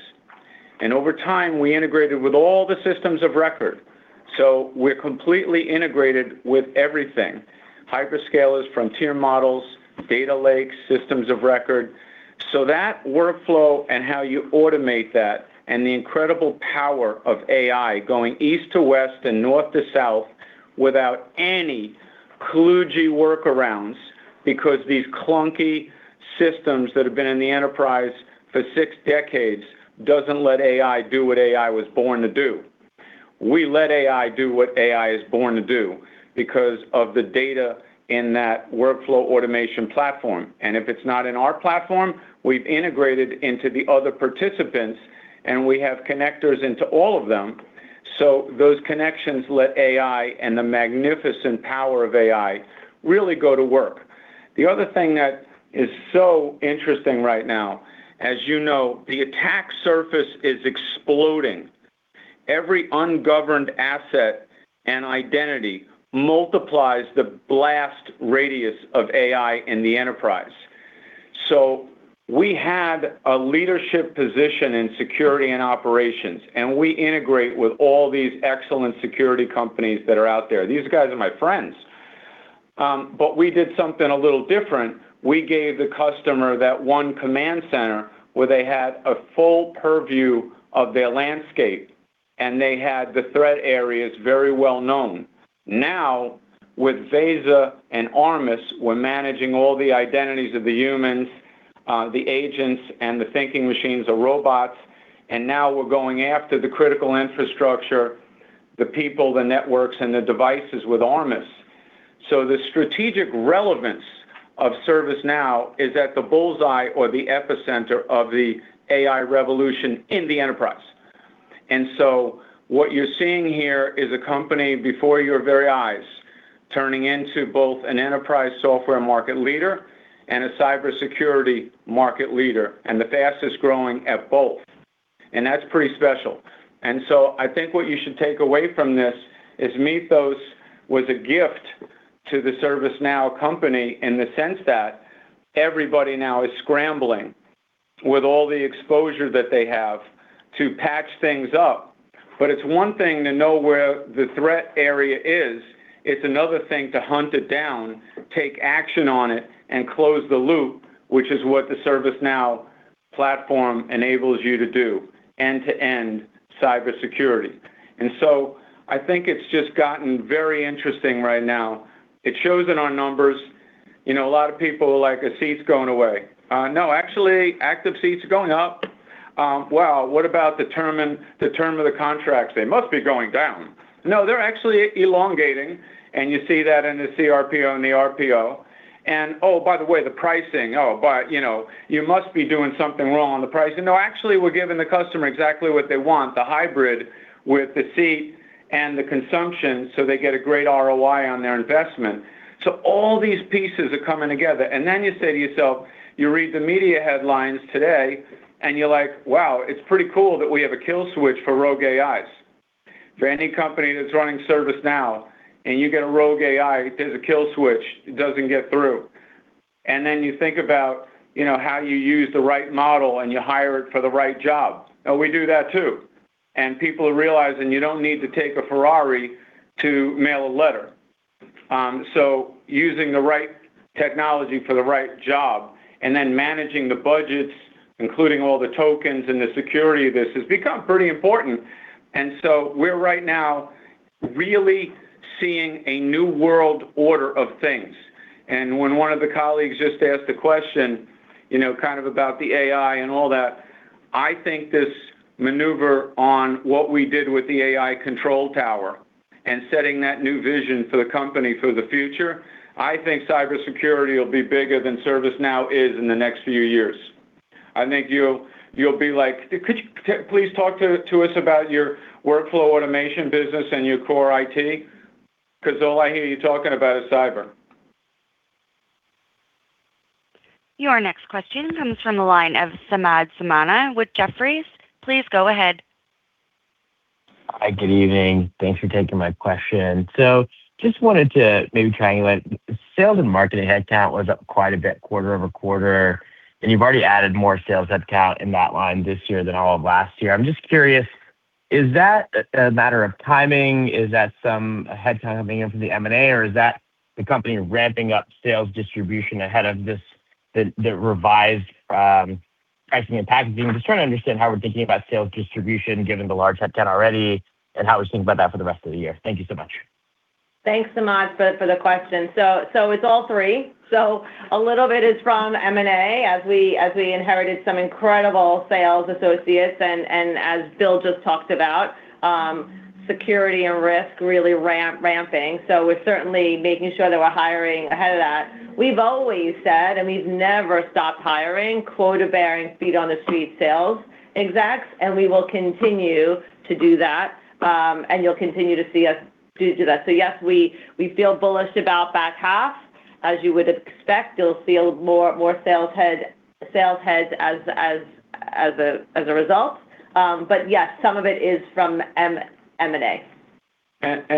Over time, we integrated with all the systems of record. We're completely integrated with everything. Hyperscalers, frontier models, data lakes, systems of record. That workflow and how you automate that and the incredible power of AI going east to west and north to south without any kludgy workarounds, because these clunky systems that have been in the enterprise for six decades doesn't let AI do what AI was born to do. We let AI do what AI is born to do because of the data in that workflow automation platform. If it's not in our platform, we've integrated into the other participants, and we have connectors into all of them. Those connections let AI and the magnificent power of AI really go to work. The other thing that is so interesting right now as you know, the attack surface is exploding. Every ungoverned asset and identity multiplies the blast radius of AI in the enterprise. We had a leadership position in security and operations, and we integrate with all these excellent security companies that are out there. These guys are my friends. We did something a little different. We gave the customer that one command center where they had a full purview of their landscape, and they had the threat areas very well known. Now with Veza and Armis, we're managing all the identities of the humans, the agents, and the thinking machines, the robots, and now we're going after the critical infrastructure, the people, the networks, and the devices with Armis. The strategic relevance of ServiceNow is at the bullseye or the epicenter of the AI revolution in the enterprise. What you're seeing here is a company before your very eyes turning into both an enterprise software market leader and a cybersecurity market leader, and the fastest-growing at both. That's pretty special. I think what you should take away from this is Mythos was a gift to the ServiceNow company in the sense that everybody now is scrambling with all the exposure that they have to patch things up. It's one thing to know where the threat area is, it's another thing to hunt it down, take action on it, and close the loop, which is what the ServiceNow platform enables you to do, end-to-end cybersecurity. I think it's just gotten very interesting right now. It shows in our numbers. A lot of people are like, "Are seats going away?" No, actually active seats are going up. What about the term of the contracts? They must be going down. They're actually elongating, and you see that in the cRPO and the RPO. Oh, by the way, the pricing. You must be doing something wrong on the pricing. We're giving the customer exactly what they want, the hybrid with the seat and the consumption, so they get a great ROI on their investment. All these pieces are coming together. You say to yourself, you read the media headlines today, and you're like, "Wow, it's pretty cool that we have a kill switch for rogue AIs." For any company that's running ServiceNow and you get a rogue AI, there's a kill switch. It doesn't get through. You think about how you use the right model and you hire it for the right job. We do that too. People are realizing you don't need to take a Ferrari to mail a letter. Using the right technology for the right job, and then managing the budgets, including all the tokens and the security of this, has become pretty important. We're right now really seeing a new world order of things. When one of the colleagues just asked the question, kind of about the AI and all that, I think this maneuver on what we did with the AI Control Tower and setting that new vision for the company for the future, I think cybersecurity will be bigger than ServiceNow is in the next few years. I think you'll be like, "Could you please talk to us about your workflow automation business and your core IT? Because all I hear you talking about is cyber. Your next question comes from the line of Samad Samana with Jefferies. Please go ahead. Hi, good evening. Thanks for taking my question. Just wanted to maybe triangulate. Sales and marketing headcount was up quite a bit quarter-over-quarter, you've already added more sales headcount in that line this year than all of last year. I'm just curious, is that a matter of timing? Is that some ahead time coming in from the M&A, or is that the company ramping up sales distribution ahead of the revised pricing and packaging? I'm just trying to understand how we're thinking about sales distribution given the large headcount already and how we think about that for the rest of the year. Thank you so much. Thanks, Samad, for the question. It's all three. A little bit is from M&A as we inherited some incredible sales associates and as Bill just talked about, security and risk really ramping. We're certainly making sure that we're hiring ahead of that. We've always said, and we've never stopped hiring quota-bearing, feet-on-the-street sales execs, and we will continue to do that. You'll continue to see us do that. Yes, we feel bullish about the back half. As you would expect, you'll see more sales heads as a result. Yes, some of it is from M&A.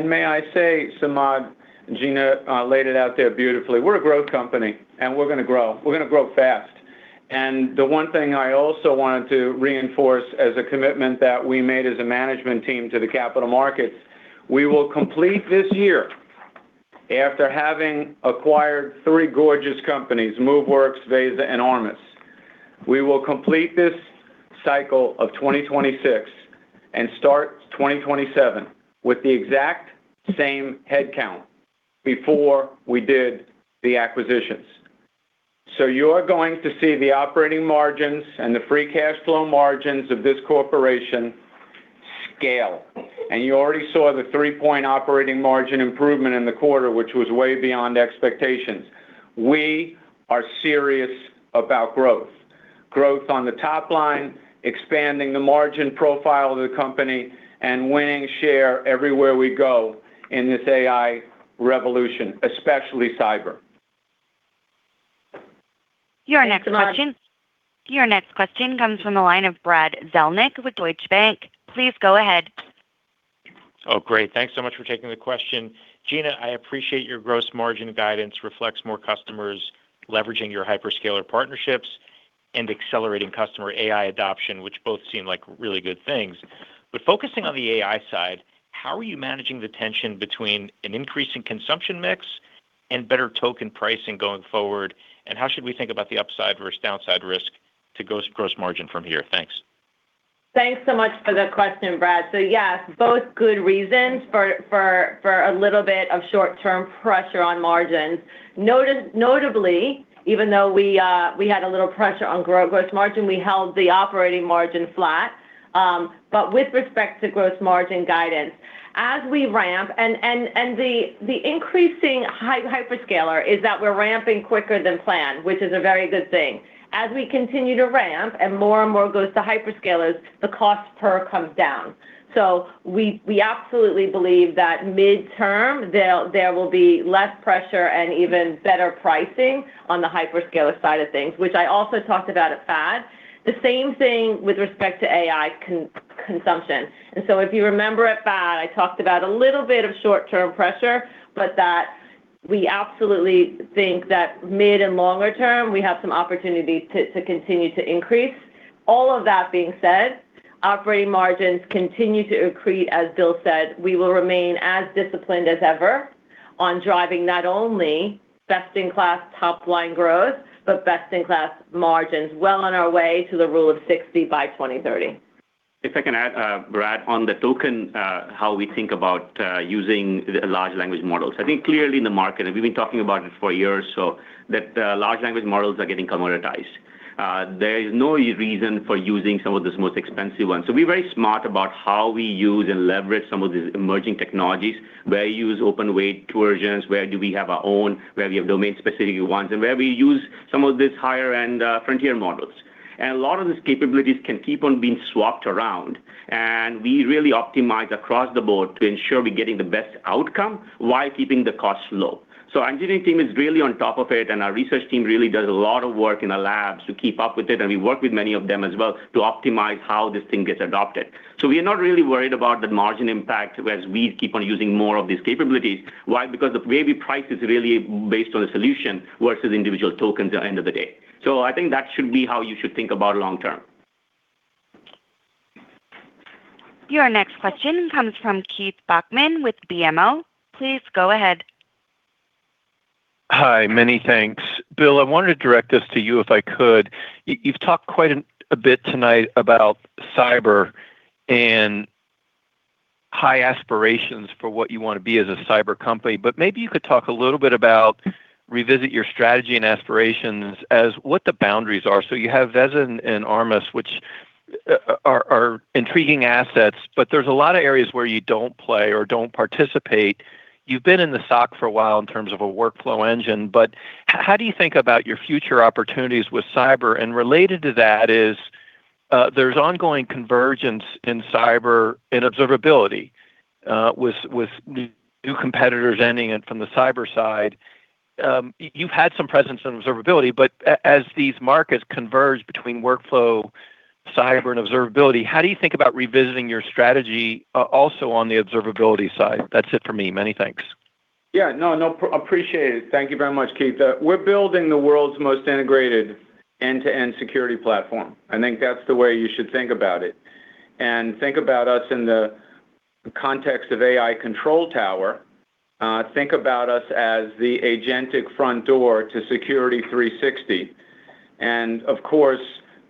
May I say, Samad, Gina laid it out there beautifully. We're a growth company, and we're going to grow. We're going to grow fast. The one thing I also wanted to reinforce as a commitment that we made as a management team to the capital markets, we will complete this year, after having acquired three gorgeous companies, Moveworks, Veza, and Armis. We will complete this cycle of 2026 and start 2027 with the exact same headcount before we did the acquisitions. You're going to see the operating margins and the free cash flow margins of this corporation scale. You already saw the three-point operating margin improvement in the quarter, which was way beyond expectations. We are serious about growth on the top line, expanding the margin profile of the company, and winning share everywhere we go in this AI revolution, especially cyber. Your next question comes from the line of Brad Zelnick with Deutsche Bank. Please go ahead. Great. Thanks so much for taking the question. Gina, I appreciate your gross margin guidance reflects more customers leveraging your hyperscaler partnerships and accelerating customer AI adoption, which both seem like really good things. Focusing on the AI side, how are you managing the tension between an increase in consumption mix and better token pricing going forward? How should we think about the upside versus downside risk to gross margin from here? Thanks. Thanks so much for the question, Brad. Yeah, both good reasons for a little bit of short-term pressure on margins. Notably, even though we had a little pressure on gross margin, we held the operating margin flat. With respect to gross margin guidance, as we ramp, the increasing hyperscaler is that we're ramping quicker than planned, which is a very good thing. As we continue to ramp and more and more goes to hyperscalers, the cost per comes down. We absolutely believe that midterm, there will be less pressure and even better pricing on the hyperscaler side of things, which I also talked about at FAD. The same thing with respect to AI consumption. If you remember at FAD, I talked about a little bit of short-term pressure, but that we absolutely think that mid and longer term, we have some opportunity to continue to increase. All of that being said, operating margins continue to accrete, as Bill said. We will remain as disciplined as ever on driving not only best-in-class top-line growth, but best-in-class margins, well on our way to the rule of 60 by 2030. If I can add, Brad, on the token, how we think about using large language models. I think clearly in the market, we've been talking about it for years that large language models are getting commoditized. There is no reason for using some of the most expensive ones. We're very smart about how we use and leverage some of these emerging technologies, where you use open-weight versions, where do we have our own, where we have domain-specific ones, and where we use some of these higher-end frontier models. A lot of these capabilities can keep on being swapped around, and we really optimize across the board to ensure we're getting the best outcome while keeping the costs low. Engineering team is really on top of it, and our research team really does a lot of work in the labs to keep up with it, and we work with many of them as well to optimize how this thing gets adopted. We are not really worried about the margin impact as we keep on using more of these capabilities. Why? Because the way we price is really based on the solution versus individual tokens at the end of the day. I think that should be how you should think about long term. Your next question comes from Keith Bachman with BMO. Please go ahead. Hi, many thanks. Bill, I wanted to direct this to you if I could. You've talked quite a bit tonight about cyber and high aspirations for what you want to be as a cyber company, but maybe you could talk a little bit about revisit your strategy and aspirations as what the boundaries are. You have Veza and Armis, which are intriguing assets, but there's a lot of areas where you don't play or don't participate. You've been in the SOC for a while in terms of a workflow engine, but how do you think about your future opportunities with cyber? Related to that is, there's ongoing convergence in cyber and observability, with new competitors entering it from the cyber side. You've had some presence in observability, as these markets converge between workflow, cyber, and observability, how do you think about revisiting your strategy also on the observability side? That's it for me. Many thanks. Yeah. No, appreciate it. Thank you very much, Keith. We're building the world's most integrated end-to-end security platform. I think that's the way you should think about it. Think about us in the context of AI Control Tower. Think about us as the agentic front door to Security 360. Of course,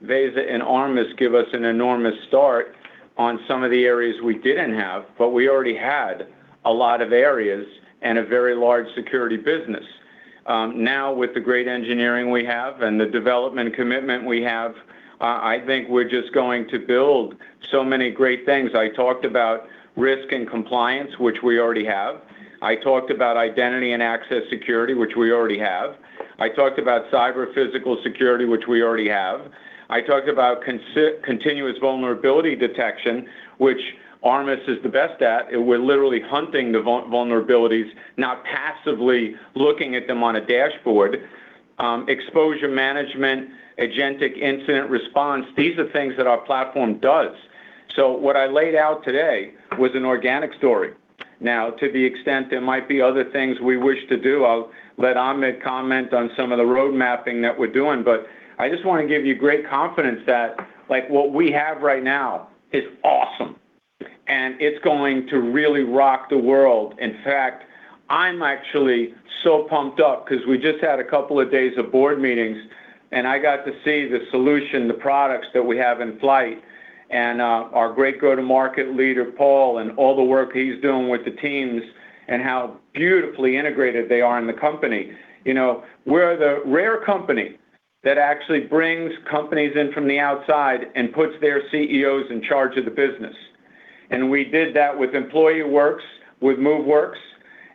Veza and Armis give us an enormous start on some of the areas we didn't have, but we already had a lot of areas and a very large security business. With the great engineering we have and the development commitment we have, I think we're just going to build so many great things. I talked about risk and compliance, which we already have. I talked about identity and access security, which we already have. I talked about cyber physical security, which we already have. I talked about continuous vulnerability detection, which Armis is the best at. We're literally hunting the vulnerabilities, not passively looking at them on a dashboard. Exposure management, agentic incident response. These are things that our platform does. What I laid out today was an organic story. To the extent there might be other things we wish to do, I'll let Amit comment on some of the road mapping that we're doing, but I just want to give you great confidence that what we have right now is awesome, and it's going to really rock the world. In fact, I'm actually so pumped up because we just had a couple of days of board meetings, and I got to see the solution, the products that we have in flight, and our great go-to-market leader, Paul, and all the work he's doing with the teams, and how beautifully integrated they are in the company. We're the rare company that actually brings companies in from the outside and puts their CEOs in charge of the business. We did that with EmployeeWorks, with Moveworks,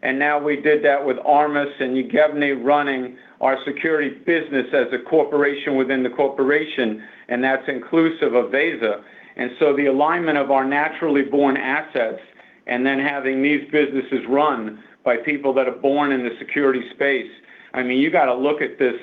and now we did that with Armis and Yevgeniy running our security business as a corporation within the corporation, and that's inclusive of Veza. The alignment of our naturally born assets and then having these businesses run by people that are born in the security space. You got to look at this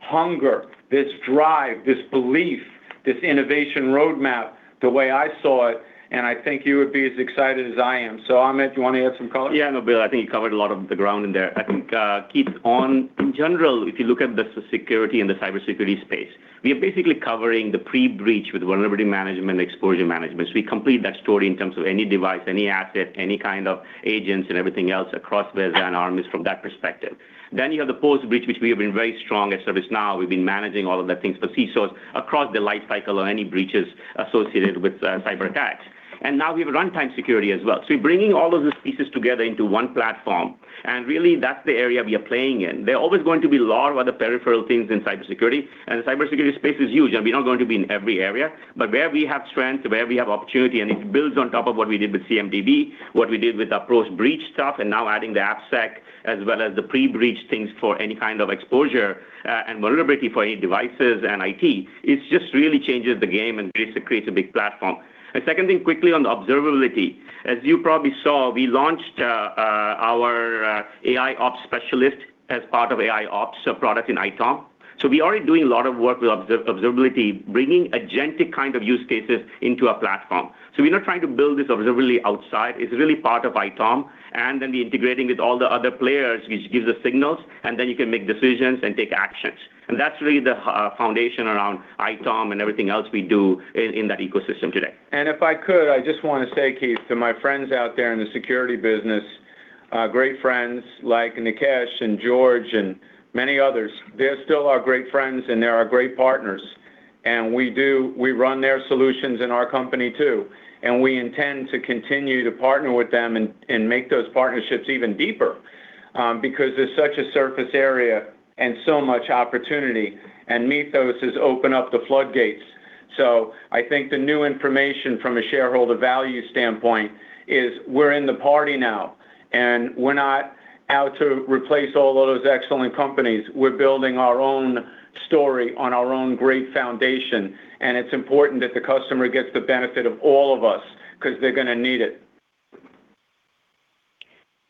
hunger, this drive, this belief, this innovation roadmap the way I saw it, and I think you would be as excited as I am. Amit, you want to add some color? Yeah. No, Bill, I think you covered a lot of the ground there. I think, Keith, in general, if you look at the security and the cybersecurity space, we are basically covering the pre-breach with vulnerability management, exposure management. We complete that story in terms of any device, any asset, any kind of agents and everything else across Veza and Armis from that perspective. You have the post-breach, which we have been very strong at ServiceNow. We've been managing all of the things for CSOCs across the life cycle or any breaches associated with cyber attacks. Now we have runtime security as well. We're bringing all of these pieces together into one platform, and really that's the area we are playing in. There are always going to be a lot of other peripheral things in cybersecurity, and the cybersecurity space is huge, and we're not going to be in every area. Where we have strength, where we have opportunity, and it builds on top of what we did with CMDB, what we did with our post-breach stuff, and now adding the AppSec, as well as the pre-breach things for any kind of exposure, and vulnerability for any devices and IT. It just really changes the game and basically creates a big platform. Second thing quickly on the observability. As you probably saw, we launched our AIOps specialist as part of AIOps product in ITOM. We're already doing a lot of work with observability, bringing agentic kind of use cases into our platform. We're not trying to build this observability outside. Then integrating with all the other players, which gives the signals, then you can make decisions and take actions. That's really the foundation around ITOM and everything else we do in that ecosystem today. If I could, I just want to say, Keith, to my friends out there in the security business, great friends like Nikesh and George and many others. They're still our great friends, and they're our great partners. We run their solutions in our company too, we intend to continue to partner with them and make those partnerships even deeper, because there's such a surface area and so much opportunity, Mythos has opened up the floodgates. I think the new information from a shareholder value standpoint is we're in the party now, we're not out to replace all of those excellent companies. We're building our own story on our own great foundation, it's important that the customer gets the benefit of all of us because they're going to need it.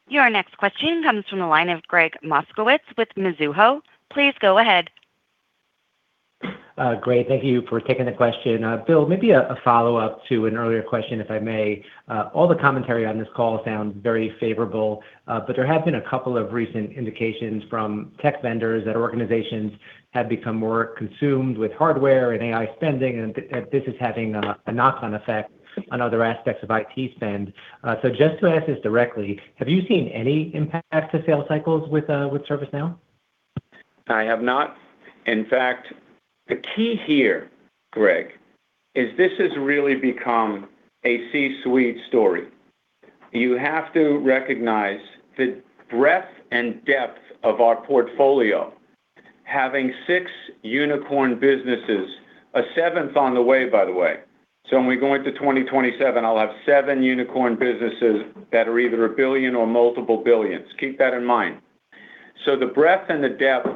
Your next question comes from the line of Gregg Moskowitz with Mizuho. Please go ahead. Great. Thank you for taking the question. Bill, maybe a follow-up to an earlier question, if I may. All the commentary on this call sound very favorable. There have been a couple of recent indications from tech vendors that organizations have become more consumed with hardware and AI spending, this is having a knock-on effect on other aspects of IT spend. Just to ask this directly, have you seen any impact to sales cycles with ServiceNow? I have not. In fact, the key here, Gregg, is this has really become a C-suite story. You have to recognize the breadth and depth of our portfolio. Having six unicorn businesses, a seventh on the way, by the way. When we go into 2027, I'll have seven unicorn businesses that are either a billion or multiple billions. Keep that in mind. The breadth and the depth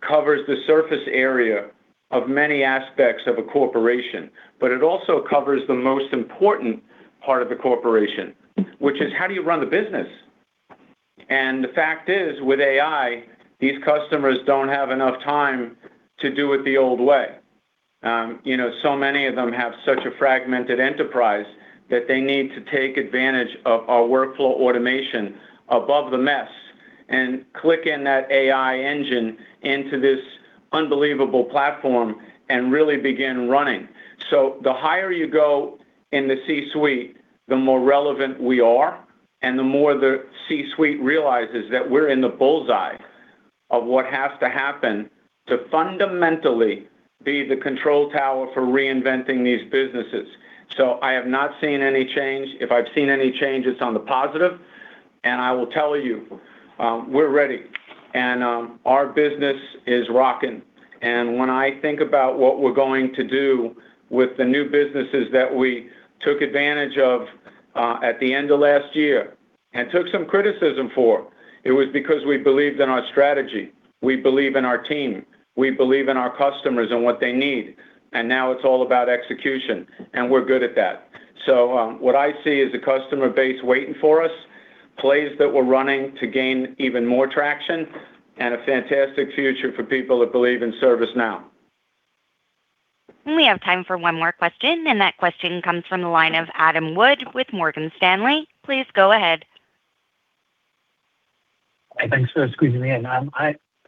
covers the surface area of many aspects of a corporation, but it also covers the most important part of the corporation, which is how do you run the business? The fact is, with AI, these customers don't have enough time to do it the old way. Many of them have such a fragmented enterprise that they need to take advantage of our workflow automation above the mess and click in that AI engine into this unbelievable platform and really begin running. The higher you go in the C-suite, the more relevant we are, and the more the C-suite realizes that we're in the bull's eye of what has to happen to fundamentally be the control tower for reinventing these businesses. I have not seen any change. If I've seen any change, it's on the positive, and I will tell you, we're ready. Our business is rocking. When I think about what we're going to do with the new businesses that we took advantage of at the end of last year and took some criticism for, it was because we believed in our strategy. We believe in our team. We believe in our customers and what they need. Now it's all about execution, and we're good at that. What I see is a customer base waiting for us, plays that we're running to gain even more traction, and a fantastic future for people that believe in ServiceNow. We have time for one more question, and that question comes from the line of Adam Wood with Morgan Stanley. Please go ahead. Thanks for squeezing me in.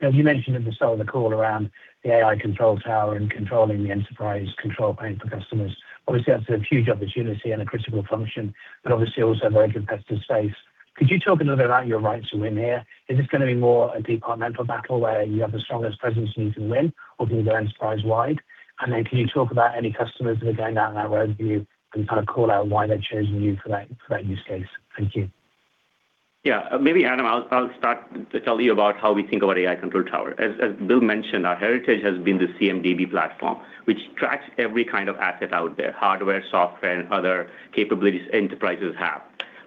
Bill, you mentioned at the start of the call around the AI Control Tower and controlling the enterprise control plane for customers. Obviously, that's a huge opportunity and a critical function, but obviously also a very competitive space. Could you talk a little bit about your right to win here? Is this going to be more a departmental battle where you have the strongest presence you can win, or can you go enterprise-wide? Can you talk about any customers that are going down that road with you and kind of call out why they're choosing you for that use case? Thank you. Maybe, Adam, I'll start to tell you about how we think about AI Control Tower. As Bill mentioned, our heritage has been the CMDB platform, which tracks every kind of asset out there, hardware, software, and other capabilities enterprises have.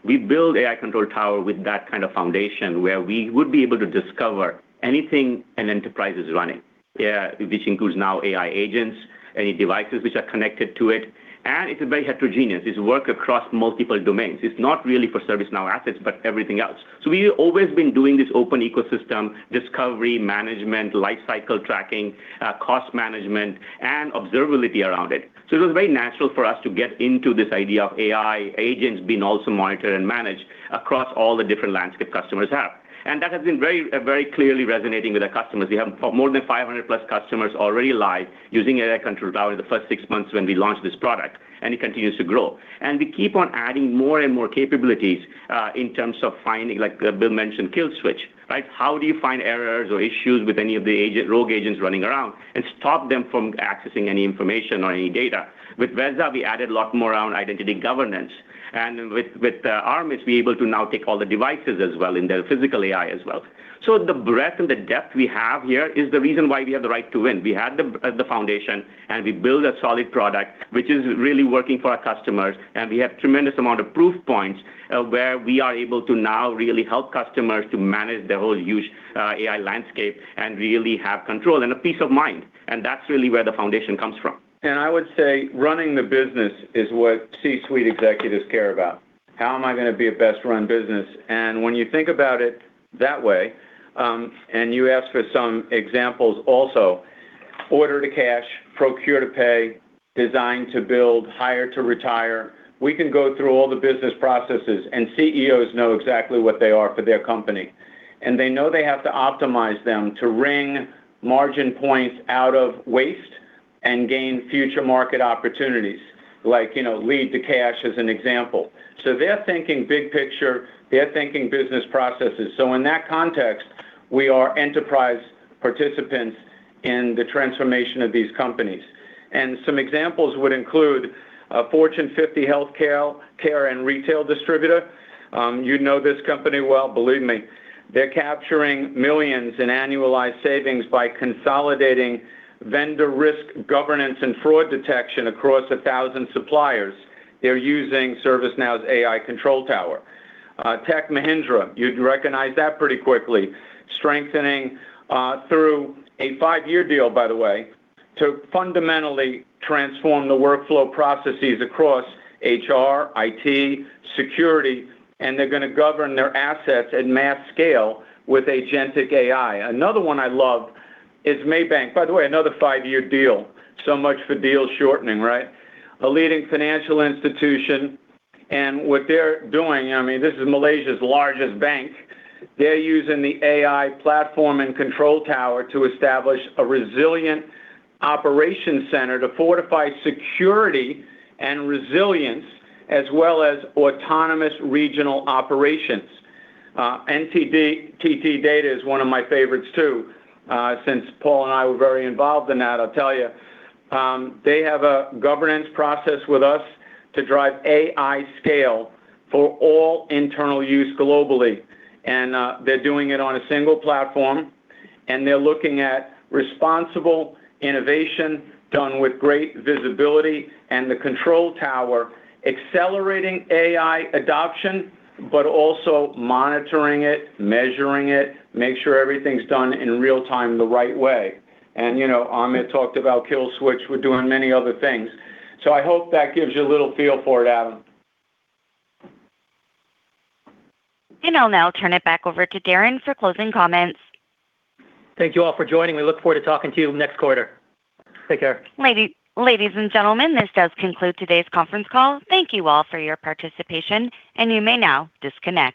We build AI Control Tower with that kind of foundation, where we would be able to discover anything an enterprise is running. Which includes now AI agents, any devices which are connected to it, and it's very heterogeneous. It's work across multiple domains. It's not really for ServiceNow assets, but everything else. We've always been doing this open ecosystem discovery management, life cycle tracking, cost management, and observability around it. It was very natural for us to get into this idea of AI agents being also monitored and managed across all the different landscape customers have. That has been very clearly resonating with our customers. We have more than 500+ customers already live using AI Control Tower in the first six months when we launched this product. It continues to grow. We keep on adding more and more capabilities, in terms of finding, like Bill mentioned, kill switch, right? How do you find errors or issues with any of the rogue agents running around and stop them from accessing any information or any data? With Veza, we added a lot more around identity governance. With Armis, we're able to now take all the devices as well in their physical AI as well. The breadth and the depth we have here is the reason why we have the right to win. We had the foundation. We built a solid product, which is really working for our customers. We have tremendous amount of proof points of where we are able to now really help customers to manage their whole huge AI landscape and really have control and a peace of mind. That's really where the foundation comes from. I would say running the business is what C-suite executives care about. How am I going to be a best-run business? When you think about it that way, you ask for some examples also, order to cash, procure to pay, design to build, hire to retire. We can go through all the business processes, and CEOs know exactly what they are for their company. They know they have to optimize them to wring margin points out of waste and gain future market opportunities, like lead to cash as an example. They're thinking big picture, they're thinking business processes. In that context, we are enterprise participants in the transformation of these companies. Some examples would include a Fortune 50 healthcare and retail distributor. You know this company well, believe me. They're capturing millions in annualized savings by consolidating vendor risk governance and fraud detection across 1,000 suppliers. They're using ServiceNow's AI Control Tower. Tech Mahindra, you'd recognize that pretty quickly. Strengthening, through a five-year deal, by the way, to fundamentally transform the workflow processes across HR, IT, security, and they're going to govern their assets at mass scale with agentic AI. Another one I love is Maybank. By the way, another five-year deal. Much for deal shortening, right? A leading financial institution, what they're doing, this is Malaysia's largest bank. They're using the AI Platform and AI Control Tower to establish a resilient operation center to fortify security and resilience, as well as autonomous regional operations. NTT DATA is one of my favorites, too. Since Paul and I were very involved in that, I'll tell you. They have a governance process with us to drive AI scale for all internal use globally. They're doing it on a single platform, and they're looking at responsible innovation done with great visibility and the AI Control Tower accelerating AI adoption, but also monitoring it, measuring it, make sure everything's done in real time the right way. Amit talked about kill switch. We're doing many other things. I hope that gives you a little feel for it, Adam. I'll now turn it back over to Darren for closing comments. Thank you all for joining. We look forward to talking to you next quarter. Take care. Ladies and gentlemen, this does conclude today's conference call. Thank you all for your participation, and you may now disconnect.